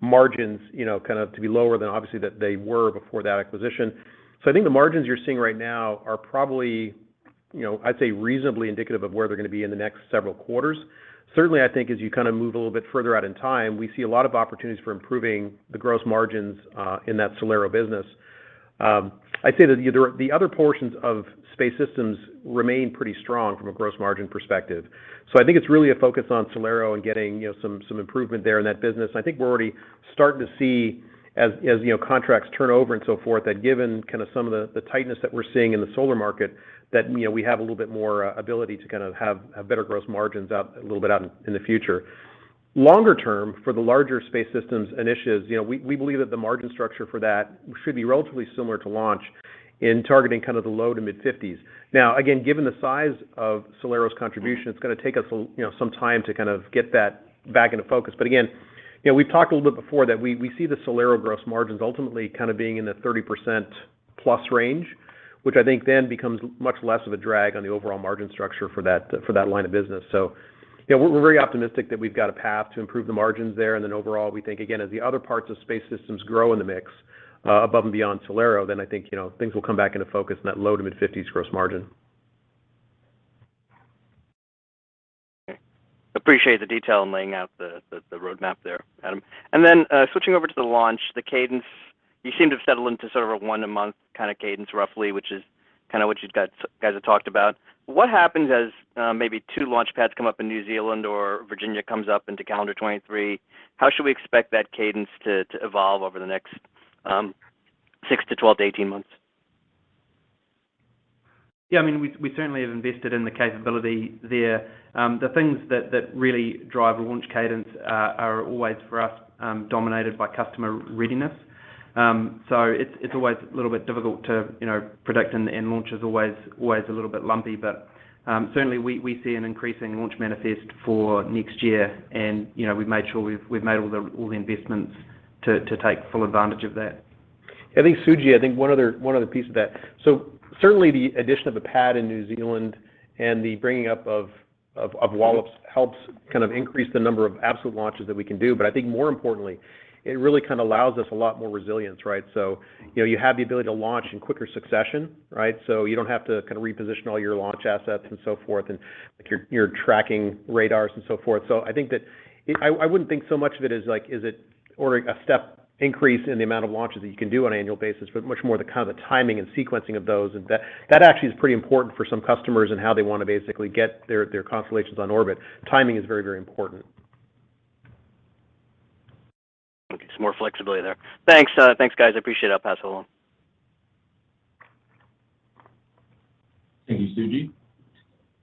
margins, you know, kind of to be lower than obviously that they were before that acquisition. I think the margins you're seeing right now are probably, you know, I'd say reasonably indicative of where they're gonna be in the next several quarters. Certainly, I think as you kind of move a little bit further out in time, we see a lot of opportunities for improving the gross margins in that SolAero business. I'd say that the other portions of space systems remain pretty strong from a gross margin perspective. I think it's really a focus on SolAero and getting, you know, some improvement there in that business. I think we're already starting to see as you know contracts turn over and so forth, that given kind of some of the tightness that we're seeing in the solar market, that you know we have a little bit more ability to kind of have better gross margins a little bit out in the future. Longer term, for the larger space systems initiatives, you know, we believe that the margin structure for that should be relatively similar to launch in targeting kind of the low- to mid-50%s. Now, again, given the size of SolAero's contribution, it's gonna take us you know some time to kind of get that back into focus. Again, you know, we've talked a little bit before that we see the SolAero gross margins ultimately kind of being in the 30%+ range, which I think then becomes much less of a drag on the overall margin structure for that line of business. You know, we're very optimistic that we've got a path to improve the margins there, and then overall, we think, again, as the other parts of space systems grow in the mix, above and beyond SolAero, then I think, you know, things will come back into focus in that low- to mid-50%s gross margin. Okay. Appreciate the detail in laying out the roadmap there, Adam. Switching over to the launch, the cadence, you seem to have settled into sort of a 1-a-month kind of cadence, roughly, which is kind of what you guys have talked about. What happens as maybe two launch pads come up in New Zealand or Virginia comes up into calendar 2023? How should we expect that cadence to evolve over the next 6 to 12 to 18 months? Yeah. I mean, we certainly have invested in the capability there. The things that really drive launch cadence are always, for us, dominated by customer readiness. It's always a little bit difficult to, you know, predict and launch is always a little bit lumpy. Certainly we see an increasing launch manifest for next year and, you know, we've made sure we've made all the investments to take full advantage of that. I think, Suji, one other piece of that. Certainly the addition of a pad in New Zealand and the bringing up of Wallops helps kind of increase the number of absolute launches that we can do. I think more importantly, it really kind of allows us a lot more resilience, right? You know, you have the ability to launch in quicker succession, right? You don't have to kind of reposition all your launch assets and so forth and, like, your tracking radars and so forth. I think that I wouldn't think so much of it as, like, is it offering a step increase in the amount of launches that you can do on an annual basis, but much more the kind of timing and sequencing of those. That actually is pretty important for some customers and how they wanna basically get their constellations on orbit. Timing is very, very important. Okay. Some more flexibility there. Thanks. Thanks, guys. I appreciate it. I'll pass it along. Thank you, Suji.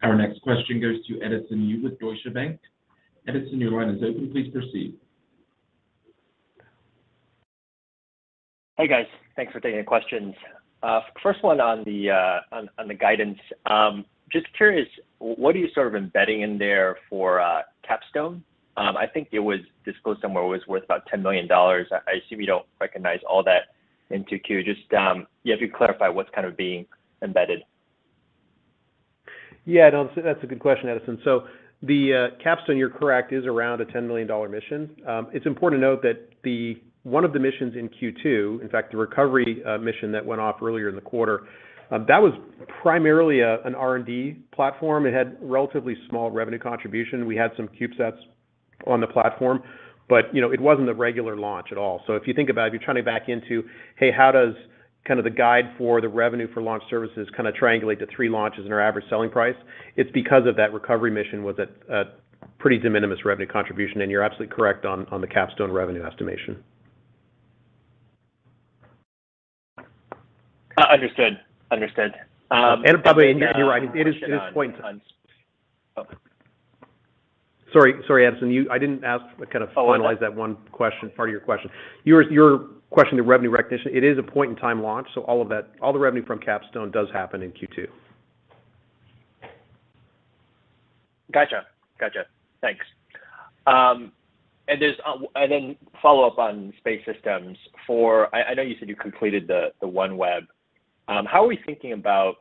Our next question goes to Edison Yu with Deutsche Bank. Edison, your line is open. Please proceed. Hey, guys. Thanks for taking the questions. First one on the guidance. Just curious, what are you sort of embedding in there for CAPSTONE? I think it was disclosed somewhere it was worth about $10 million. I assume you don't recognize all that into Q. Just yeah, if you clarify what's kind of being embedded. Yeah. No, that's a good question, Edison. The CAPSTONE, you're correct, is around a $10 million mission. It's important to note that one of the missions in Q2, in fact, the recovery mission that went off earlier in the quarter, that was primarily an R&D platform. It had relatively small revenue contribution. We had some CubeSats on the platform, but, you know, it wasn't a regular launch at all. If you think about it, if you're trying to back into, hey, how does kind of the guide for the revenue for launch services kind of triangulate to three launches in our average selling price, it's because that recovery mission was a pretty de minimis revenue contribution, and you're absolutely correct on the CAPSTONE revenue estimation. Understood. Probably, you're right. It is point- Oh. Sorry, Edison, I didn't ask to kind of- Oh, I'm done. Finalize that one question, part of your question. Your question to revenue recognition, it is a point-in-time launch, so all of that, all the revenue from CAPSTONE does happen in Q2. Gotcha. Thanks. Follow-up on space systems. I know you said you completed the OneWeb. How are we thinking about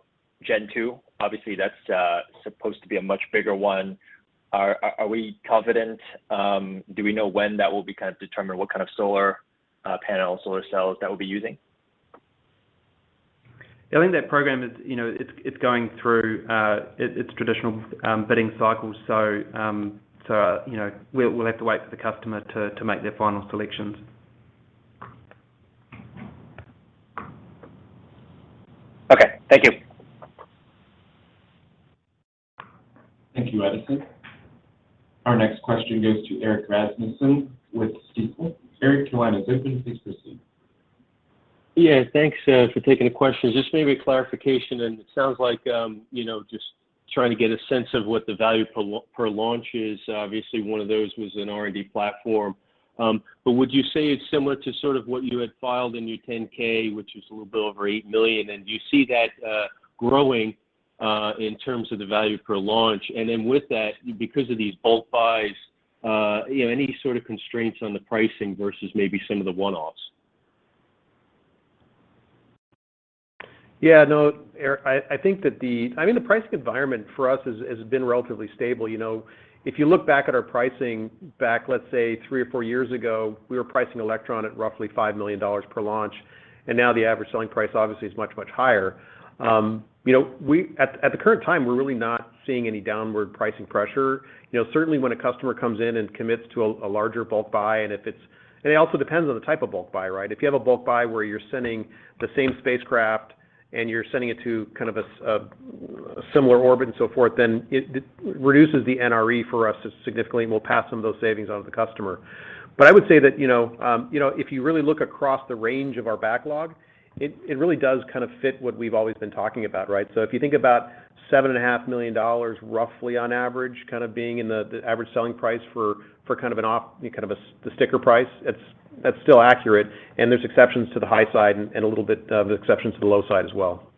Gen 2? Obviously, that's supposed to be a much bigger one. Are we confident? Do we know when that will be kind of determined what kind of solar panel solar cells that we'll be using? I think that program is, you know, it's going through its traditional bidding cycle. You know, we'll have to wait for the customer to make their final selections. Okay. Thank you. Thank you, Edison. Our next question goes to Erik Rasmussen with Stifel. Erik, your line is open. Please proceed. Yeah, thanks for taking the question. Just maybe clarification, and it sounds like, you know, just trying to get a sense of what the value per launch is. Obviously, one of those was an R&D platform. But would you say it's similar to sort of what you had filed in your 10-K, which is a little bit over $8 million? And do you see that growing in terms of the value per launch? And then with that, because of these bulk buys, you know, any sort of constraints on the pricing versus maybe some of the one-offs? I think that the I mean, the pricing environment for us has been relatively stable. You know, if you look back at our pricing back, let's say, three or four years ago, we were pricing Electron at roughly $5 million per launch, and now the average selling price obviously is much, much higher. You know, we at the current time, we're really not seeing any downward pricing pressure. You know, certainly when a customer comes in and commits to a larger bulk buy, and if it's it also depends on the type of bulk buy, right? If you have a bulk buy where you're sending the same spacecraft and you're sending it to kind of a similar orbit and so forth, then it reduces the NRE for us significantly, and we'll pass some of those savings on to the customer. I would say that, you know, you know, if you really look across the range of our backlog, it really does kind of fit what we've always been talking about, right? If you think about $7.5 million roughly on average kind of being in the average selling price for the sticker price, that's still accurate, and there's exceptions to the high side and a little bit of exceptions to the low side as well.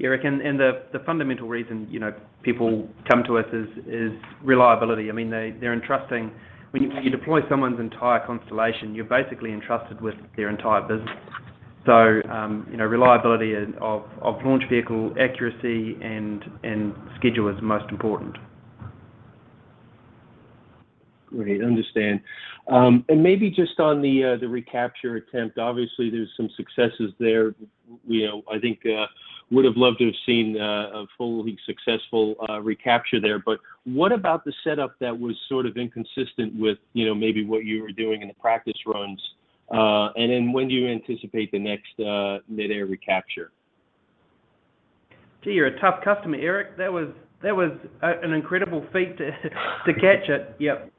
Erik, the fundamental reason, you know, people come to us is reliability. I mean, they're entrusting. When you deploy someone's entire constellation, you're basically entrusted with their entire business. You know, reliability of launch vehicle accuracy and schedule is most important. Great. Understand. Maybe just on the recapture attempt, obviously there's some successes there. You know, I think would have loved to have seen a fully successful recapture there. What about the setup that was sort of inconsistent with, you know, maybe what you were doing in the practice runs? When do you anticipate the next mid-air recapture? Gee, you're a tough customer, Erik. That was an incredible feat to catch it. Yep.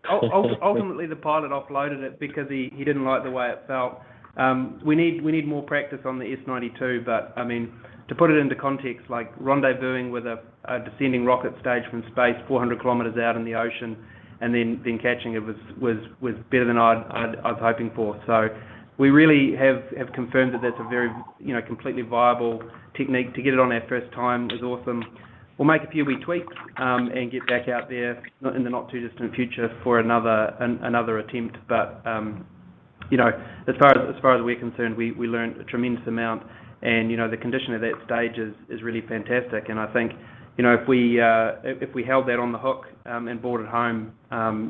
Ultimately, the pilot offloaded it because he didn't like the way it felt. We need more practice on the S-92, but I mean, to put it into context, like rendezvousing with a descending rocket stage from space 400 km out in the ocean and then catching it was better than I'd hoped for. We really have confirmed that that's a very, you know, completely viable technique. To get it on our first time is awesome. We'll make a few wee tweaks and get back out there in the not too distant future for another attempt. You know, as far as we're concerned, we learned a tremendous amount and you know, the condition of that stage is really fantastic. I think, you know, if we held that on the hook and brought it home,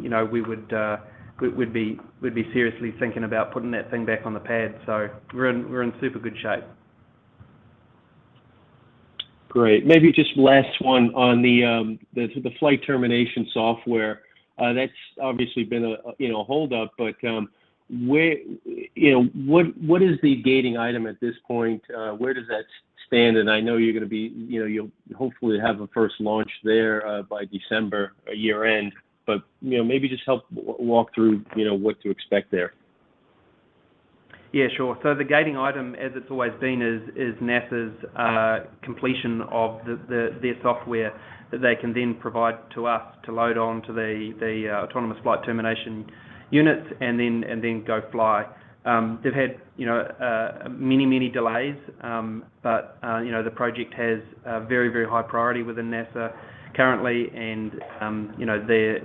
you know, we'd be seriously thinking about putting that thing back on the pad. We're in super good shape. Great. Maybe just last one on the flight termination software. That's obviously been a hold-up, but you know, what is the gating item at this point? Where does that stand? I know you know, you'll hopefully have a first launch there by December year-end. You know, maybe just help walk through what to expect there. Yeah, sure. The gating item, as it's always been, is NASA's completion of their software that they can then provide to us to load onto the autonomous flight termination units and then go fly. They've had, you know, many delays, but, you know, the project has a very high priority within NASA currently and, you know, they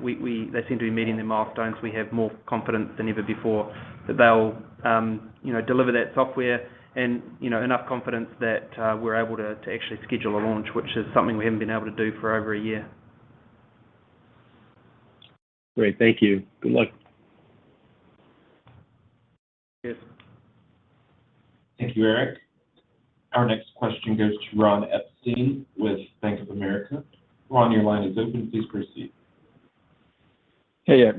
seem to be meeting their milestones. We have more confidence than ever before that they'll, you know, deliver that software and, you know, enough confidence that we're able to actually schedule a launch, which is something we haven't been able to do for over a year. Great. Thank you. Good luck. Thank you, Erik. Our next question goes to Ron Epstein with Bank of America. Ron, your line is open. Please proceed. Hey, yeah.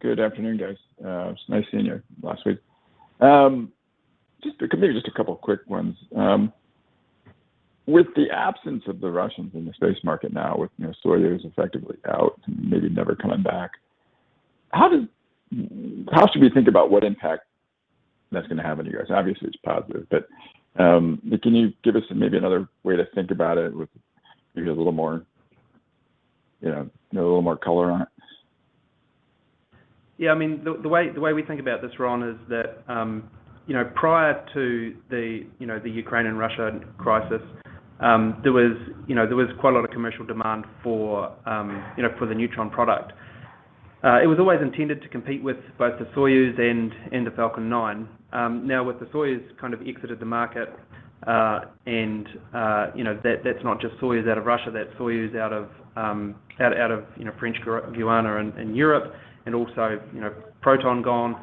Good afternoon, guys. It was nice seeing you last week. Just, maybe just a couple of quick ones. With the absence of the Russians in the space market now, with, you know, Soyuz effectively out, maybe never coming back, how should we think about what impact that's gonna have on you guys? Obviously, it's positive, but can you give us maybe another way to think about it with maybe a little more, you know, a little more color on it? Yeah. I mean, the way we think about this, Ron, is that, you know, prior to the Ukraine and Russia crisis, there was quite a lot of commercial demand for the Neutron product. It was always intended to compete with both the Soyuz and the Falcon 9. Now, with the Soyuz kind of exit of the market, and, you know, that's not just Soyuz out of Russia, that's Soyuz out of French Guiana and Europe and also, you know, Proton gone,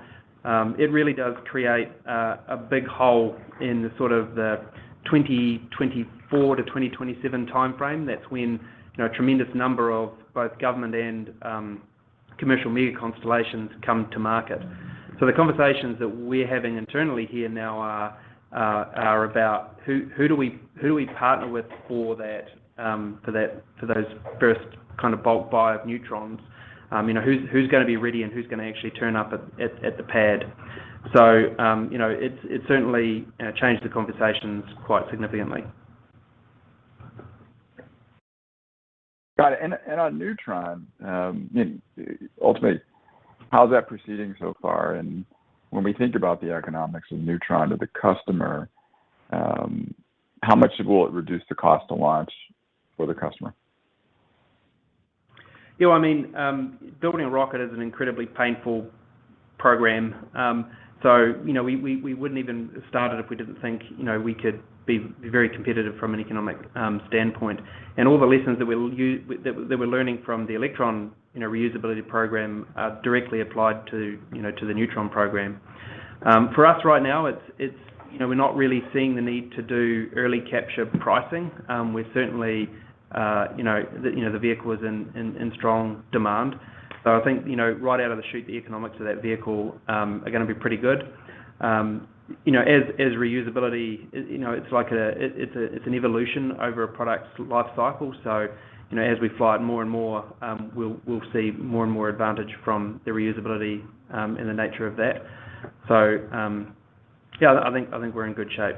it really does create a big hole in the sort of the 2024-2027 timeframe. That's when, you know, a tremendous number of both government and commercial mega constellations come to market. The conversations that we're having internally here now are about who do we partner with for that, for those first kind of bulk buy of Neutrons? You know, who's gonna be ready, and who's gonna actually turn up at the pad? It's certainly changed the conversations quite significantly. Got it. On Neutron, ultimately, how's that proceeding so far? When we think about the economics of Neutron to the customer, how much will it reduce the cost to launch for the customer? You know, I mean, building a rocket is an incredibly painful program. You know, we wouldn't even have started if we didn't think, you know, we could be very competitive from an economic standpoint. All the lessons that we're learning from the Electron reusability program are directly applied to the Neutron program. For us right now, it's, you know, we're not really seeing the need to do early capture pricing. We're certainly, you know, the vehicle is in strong demand. I think, you know, right out of the shoot, the economics of that vehicle are gonna be pretty good. You know, as reusability, you know, it's like, it's an evolution over a product's life cycle. You know, as we fly it more and more, we'll see more and more advantage from the reusability, and the nature of that. Yeah, I think we're in good shape.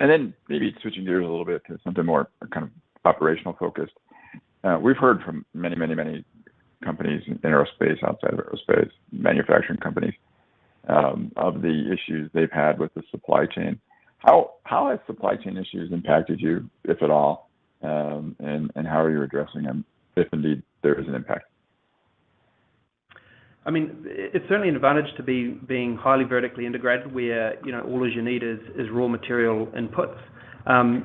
Maybe switching gears a little bit to something more kind of operational focused. We've heard from many companies in aerospace, outside of aerospace, manufacturing companies, of the issues they've had with the supply chain. How has supply chain issues impacted you, if at all? How are you addressing them, if indeed there is an impact? I mean, it's certainly an advantage being highly vertically integrated where, you know, all that you need is raw material inputs.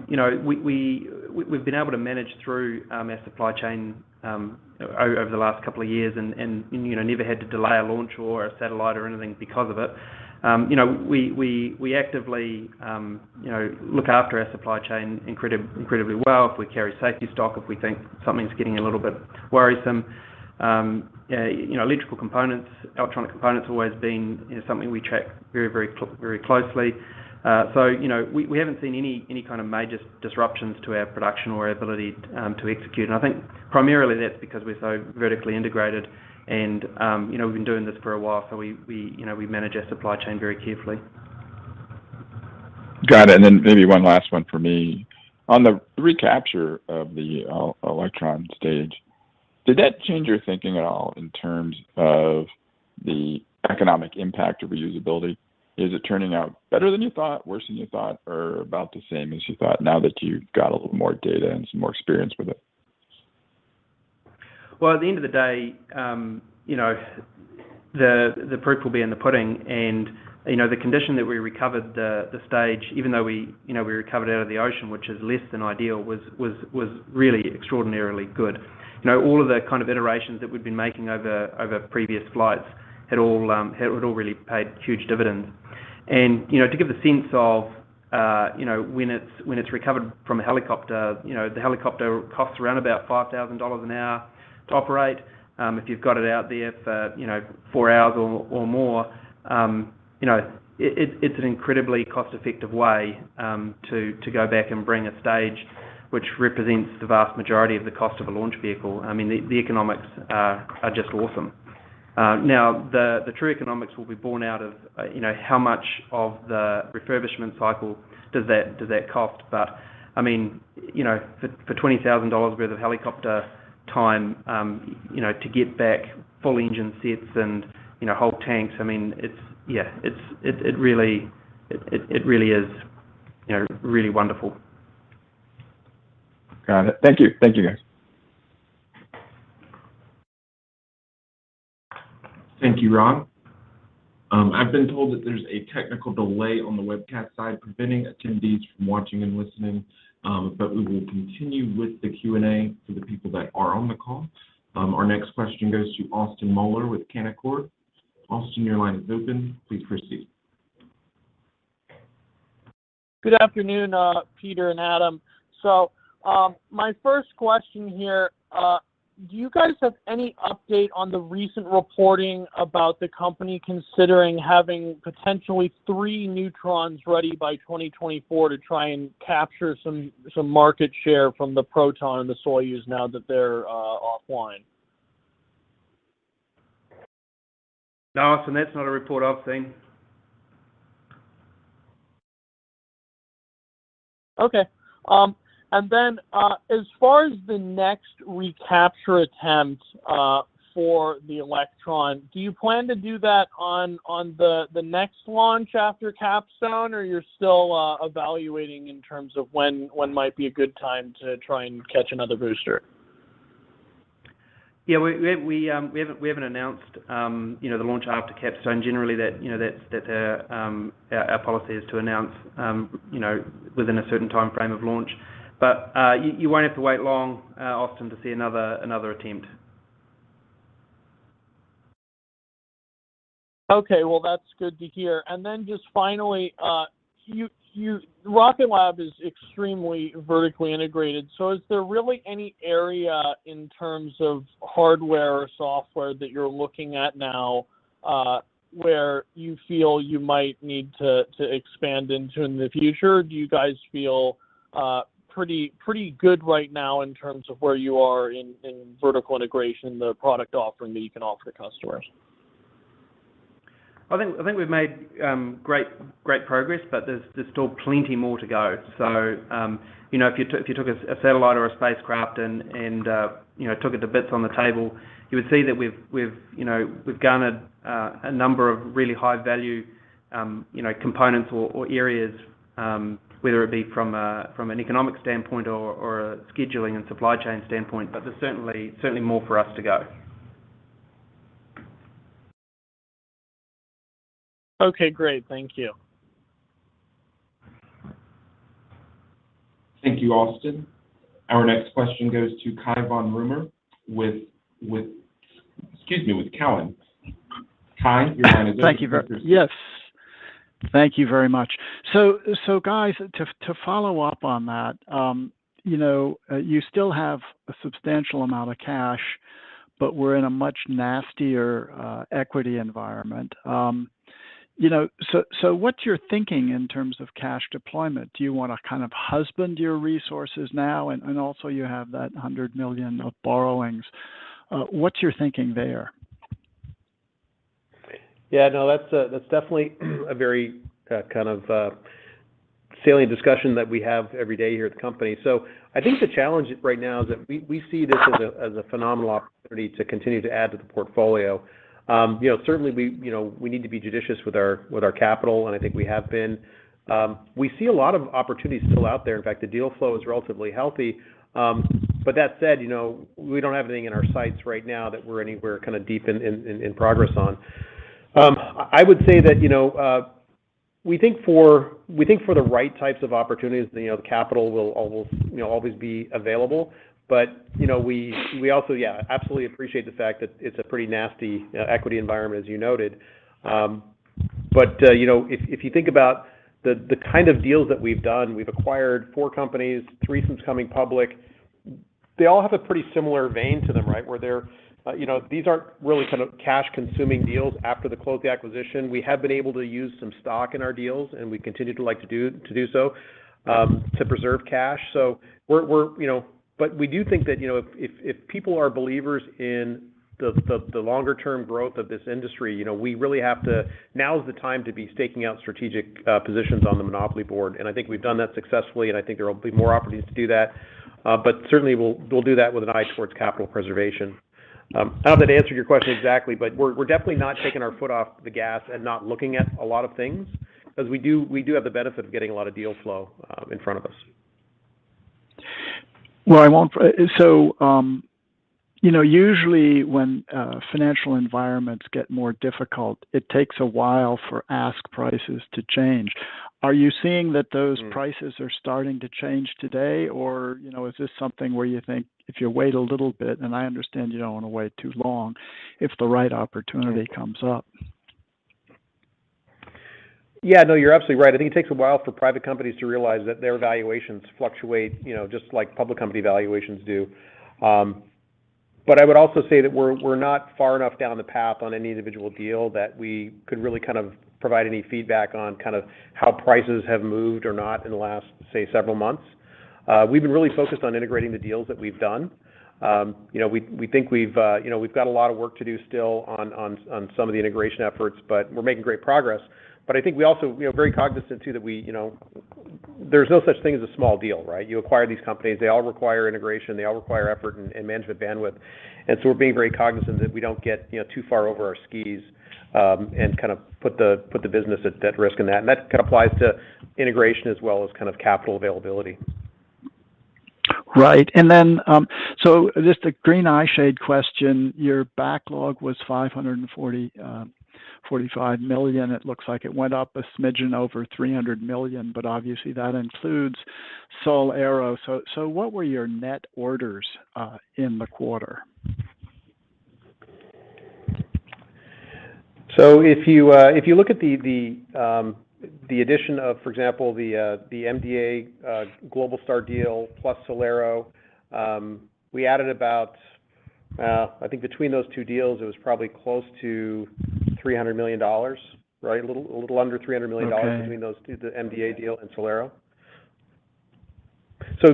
You know, we've been able to manage through our supply chain over the last couple of years and, you know, never had to delay a launch or a satellite or anything because of it. You know, we actively look after our supply chain incredibly well. If we carry safety stock if we think something's getting a little bit worrisome. You know, electrical components, electronic components have always been, you know, something we track very closely. So, you know, we haven't seen any kind of major disruptions to our production or ability to execute. I think primarily that's because we're so vertically integrated and, you know, we've been doing this for a while, so we, you know, we manage our supply chain very carefully. Got it. Maybe one last one from me. On the recapture of the Electron stage, did that change your thinking at all in terms of the economic impact of reusability? Is it turning out better than you thought, worse than you thought, or about the same as you thought now that you've got a little more data and some more experience with it? Well, at the end of the day, you know, the proof will be in the pudding. You know, the condition that we recovered the stage, even though we you know recovered out of the ocean, which is less than ideal, was really extraordinarily good. You know, all of the kind of iterations that we'd been making over previous flights had all really paid huge dividends. You know, to give a sense of, you know, when it's recovered from a helicopter, you know, the helicopter costs around about $5,000 an hour to operate. If you've got it out there for, you know, four hours or more, you know, it's an incredibly cost-effective way to go back and bring a stage which represents the vast majority of the cost of a launch vehicle. I mean, the economics are just awesome. Now, the true economics will be born out of, you know, how much of the refurbishment cycle does that cost. I mean, you know, for $20,000 worth of helicopter time, you know, to get back full engine sets and, you know, whole tanks, I mean, it's, yeah, it's really wonderful. Got it. Thank you. Thank you, guys. Thank you, Ron. I've been told that there's a technical delay on the webcast side preventing attendees from watching and listening, but we will continue with the Q&A for the people that are on the call. Our next question goes to Austin Moeller with Canaccord. Austin, your line is open. Please proceed. Good afternoon, Peter and Adam. My first question here, do you guys have any update on the recent reporting about the company considering having potentially three Neutrons ready by 2024 to try and capture some market share from the Proton and the Soyuz now that they're offline? No, Austin, that's not a report I've seen. As far as the next recapture attempt for the Electron, do you plan to do that on the next launch after Capstone, or you're still evaluating in terms of when might be a good time to try and catch another booster? Yeah, we haven't announced, you know, the launch after CAPSTONE. Generally, that's our policy to announce, you know, within a certain timeframe of launch. You won't have to wait long, Austin, to see another attempt. Okay. Well, that's good to hear. Then just finally, you Rocket Lab is extremely vertically integrated, so is there really any area in terms of hardware or software that you're looking at now, where you feel you might need to expand into in the future? Do you guys feel pretty good right now in terms of where you are in vertical integration, the product offering that you can offer customers? I think we've made great progress, but there's still plenty more to go. You know, if you took a satellite or a spacecraft and you know, took it to bits on the table, you would see that we've garnered a number of really high value, you know, components or areas, whether it be from an economic standpoint or a scheduling and supply chain standpoint. But there's certainly more for us to go. Okay, great. Thank you. Thank you, Austin. Our next question goes to Cai von Rumohr with, excuse me, with Cowen. Cai, your line is open. Yes. Thank you very much. Guys, to follow up on that, you know, you still have a substantial amount of cash, but we're in a much nastier equity environment. You know, what's your thinking in terms of cash deployment? Do you wanna kind of husband your resources now? And also you have that $100 million of borrowings. What's your thinking there? Yeah, no, that's definitely a very kind of salient discussion that we have every day here at the company. I think the challenge right now is that we see this as a phenomenal opportunity to continue to add to the portfolio. You know, certainly we, you know, we need to be judicious with our capital, and I think we have been. We see a lot of opportunities still out there. In fact, the deal flow is relatively healthy. That said, you know, we don't have anything in our sights right now that we're anywhere kind of deep in progress on. I would say that, you know, we think for the right types of opportunities, you know, the capital will almost always be available. you know, we also, yeah, absolutely appreciate the fact that it's a pretty nasty equity environment as you noted. you know, if you think about the kind of deals that we've done, we've acquired 4 companies, 3 since coming public. They all have a pretty similar vein to them, right? Where they're you know, these aren't really kind of cash consuming deals after the close of the acquisition. We have been able to use some stock in our deals, and we continue to like to do so to preserve cash. We're you know... We do think that, you know, if people are believers in the longer term growth of this industry, you know, now is the time to be staking out strategic positions on the monopoly board. I think we've done that successfully, and I think there will be more opportunities to do that. Certainly, we'll do that with an eye towards capital preservation. I don't know if that answered your question exactly, but we're definitely not taking our foot off the gas and not looking at a lot of things because we do have the benefit of getting a lot of deal flow in front of us. You know, usually when financial environments get more difficult, it takes a while for ask prices to change. Are you seeing that those prices are starting to change today? Or, you know, is this something where you think if you wait a little bit, and I understand you don't wanna wait too long, if the right opportunity comes up? Yeah, no, you're absolutely right. I think it takes a while for private companies to realize that their valuations fluctuate, you know, just like public company valuations do. I would also say that we're not far enough down the path on any individual deal that we could really kind of provide any feedback on kind of how prices have moved or not in the last, say, several months. We've been really focused on integrating the deals that we've done. You know, we think we've got a lot of work to do still on some of the integration efforts, but we're making great progress. I think we also, you know, very cognizant too that we, you know. There's no such thing as a small deal, right? You acquire these companies, they all require integration, they all require effort and management bandwidth. We're being very cognizant that we don't get, you know, too far over our skis, and kind of put the business at risk in that. That kind of applies to integration as well as kind of capital availability. Right. Just a green eye shade question. Your backlog was $545 million. It looks like it went up a smidgen over $300 million, but obviously, that includes SolAero. What were your net orders in the quarter? If you look at the addition of, for example, the MDA Globalstar deal plus SolAero, we added about, I think between those two deals, it was probably close to $300 million, right? A little under $300 million. Okay. Between those two, the MDA deal and SolAero.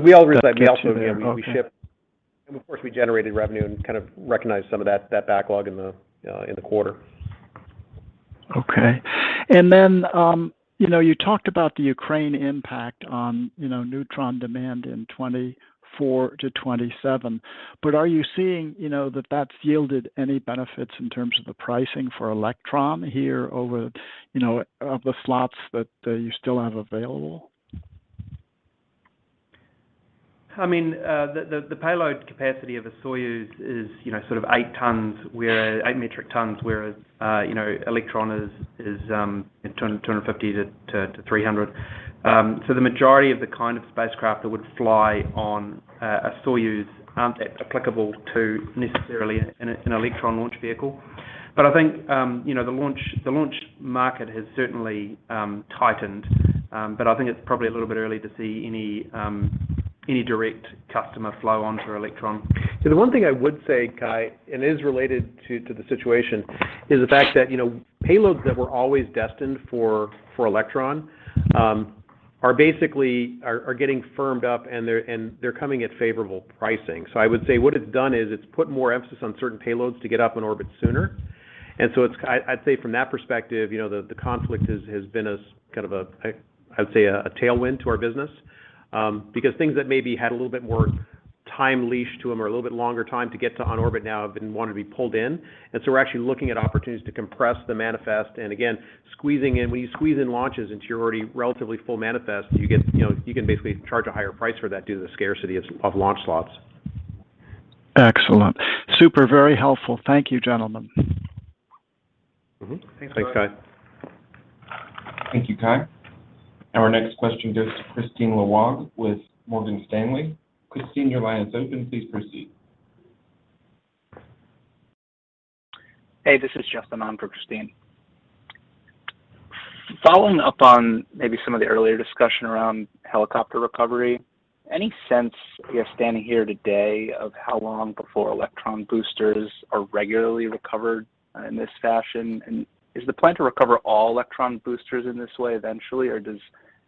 We also shipped, and of course, we generated revenue and kind of recognized some of that backlog in the quarter. You know, you talked about the Ukraine impact on, you know, Neutron demand in 2024-2027. Are you seeing, you know, that that's yielded any benefits in terms of the pricing for Electron here over, you know, the slots that you still have available? I mean, the payload capacity of a Soyuz is, you know, sort of 8 metric tons, whereas, you know, Electron is 250-300. The majority of the kind of spacecraft that would fly on a Soyuz aren't applicable to necessarily an Electron launch vehicle. I think, you know, the launch market has certainly tightened. I think it's probably a little bit early to see any direct customer flow onto Electron. The one thing I would say, Cai, and it is related to the situation, is the fact that, you know, payloads that were always destined for Electron are basically getting firmed up, and they're coming at favorable pricing. I would say what it's done is it's put more emphasis on certain payloads to get up in orbit sooner. It's. I'd say from that perspective, you know, the conflict has been a kind of a tailwind to our business. Because things that maybe had a little bit more time leash to them or a little bit longer time to get to on orbit now have been wanting to be pulled in. We're actually looking at opportunities to compress the manifest. Again, squeezing in. When you squeeze in launches into your already relatively full manifest, you know, you can basically charge a higher price for that due to the scarcity of launch slots. Excellent. Super. Very helpful. Thank you, gentlemen. Mm-hmm. Thanks, Cai. Thanks, Cai. Thank you, Cai. Our next question goes to Kristine Liwag with Morgan Stanley. Kristine, your line is open. Please proceed. Hey, this is Justine. I'm for Kristine Liwag. Following up on maybe some of the earlier discussion around helicopter recovery. Any sense you're standing here today of how long before Electron boosters are regularly recovered in this fashion? And is the plan to recover all Electron boosters in this way eventually, or does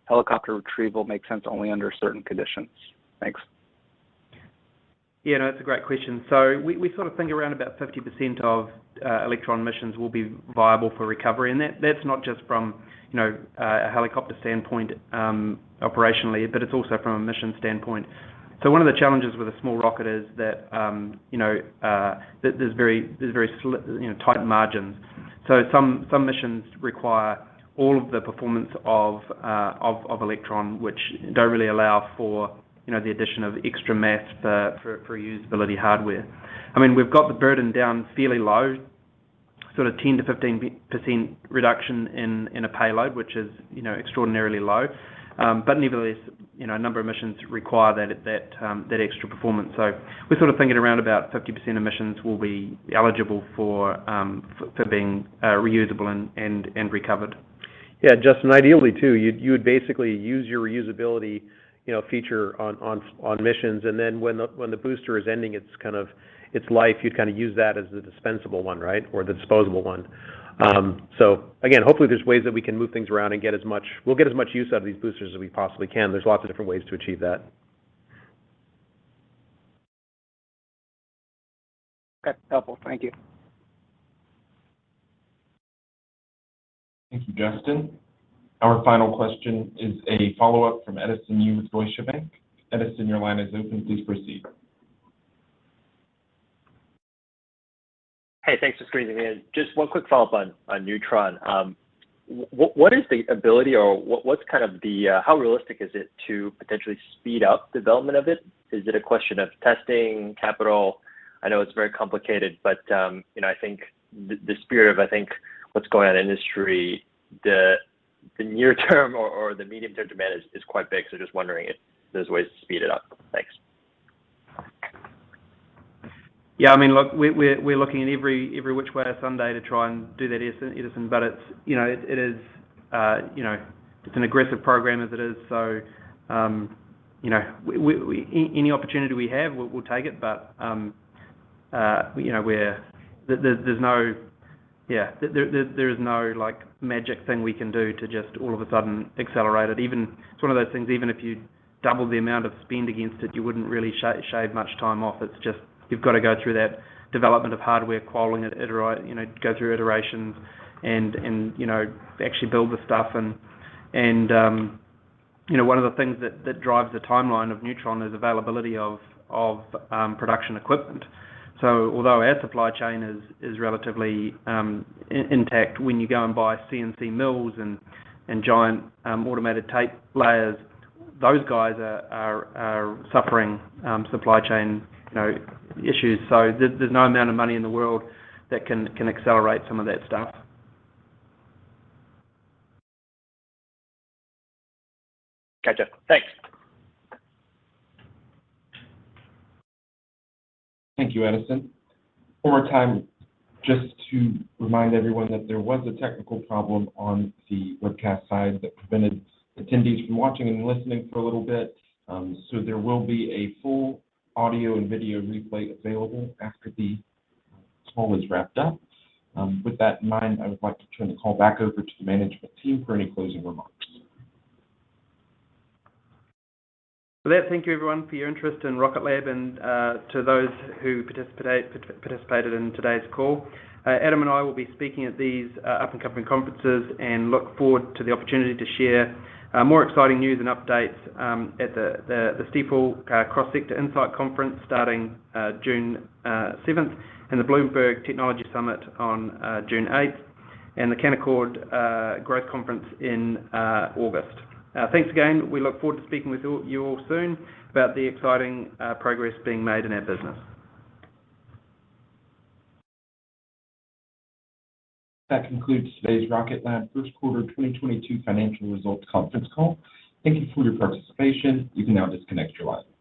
helicopter retrieval make sense only under certain conditions? Thanks. Yeah, no, that's a great question. We sort of think around about 50% of Electron missions will be viable for recovery. That's not just from, you know, a helicopter standpoint, operationally, but it's also from a mission standpoint. One of the challenges with a small rocket is that, you know, there's very tight margins. Some missions require all of the performance of Electron, which don't really allow for, you know, the addition of extra mass for reusability hardware. I mean, we've got the burden down fairly low, sort of 10%-15% reduction in a payload, which is, you know, extraordinarily low. But nevertheless, you know, a number of missions require that extra performance. We're sort of thinking around about 50% of missions will be eligible for being reusable and recovered. Yeah, Justine, ideally too, you would basically use your reusability, you know, feature on missions, and then when the booster is ending its kind of its life, you'd kind of use that as the dispensable one, right? Or the disposable one. Again, hopefully, there's ways that we can move things around. We'll get as much use out of these boosters as we possibly can. There's lots of different ways to achieve that. Okay. Helpful. Thank you. Thank you, Justine. Our final question is a follow-up from Edison Yu with Deutsche Bank. Edison, your line is open. Please proceed. Hey, thanks for squeezing me in. Just one quick follow-up on Neutron. What is the ability or what's kind of the how realistic is it to potentially speed up development of it? Is it a question of testing, capital? I know it's very complicated, but you know, I think the spirit of, I think, what's going on in industry, the near term or the medium-term demand is quite big. Just wondering if there's ways to speed it up. Thanks. Yeah, I mean, look, we're looking at every which way Sunday to try and do that, Edison. It's you know it is you know it's an aggressive program as it is, so you know any opportunity we have, we'll take it. You know. There's no. Yeah. There is no like magic thing we can do to just all of a sudden accelerate it. It's one of those things, even if you double the amount of spend against it, you wouldn't really shave much time off. It's just you've got to go through that development of hardware, you know go through iterations and you know actually build the stuff. One of the things that drives the timeline of Neutron is availability of production equipment. Although our supply chain is relatively intact, when you go and buy CNC mills and giant automated tape layers, those guys are suffering supply chain, you know, issues. There's no amount of money in the world that can accelerate some of that stuff. Okay. Just thanks. Thank you, Edison. One more time, just to remind everyone that there was a technical problem on the webcast side that prevented attendees from watching and listening for a little bit. There will be a full audio and video replay available after the call is wrapped up. With that in mind, I would like to turn the call back over to the management team for any closing remarks. With that, thank you everyone for your interest in Rocket Lab and to those who participated in today's call. Adam and I will be speaking at these upcoming conferences and look forward to the opportunity to share more exciting news and updates at the Stifel Cross-Sector Insight Conference starting June seventh, and the Bloomberg Technology Summit on June 8th, and the Canaccord Genuity Growth Conference in August. Thanks again. We look forward to speaking with you all soon about the exciting progress being made in our business. That concludes today's Rocket Lab first quarter 2022 financial results conference call. Thank you for your participation. You can now disconnect your line.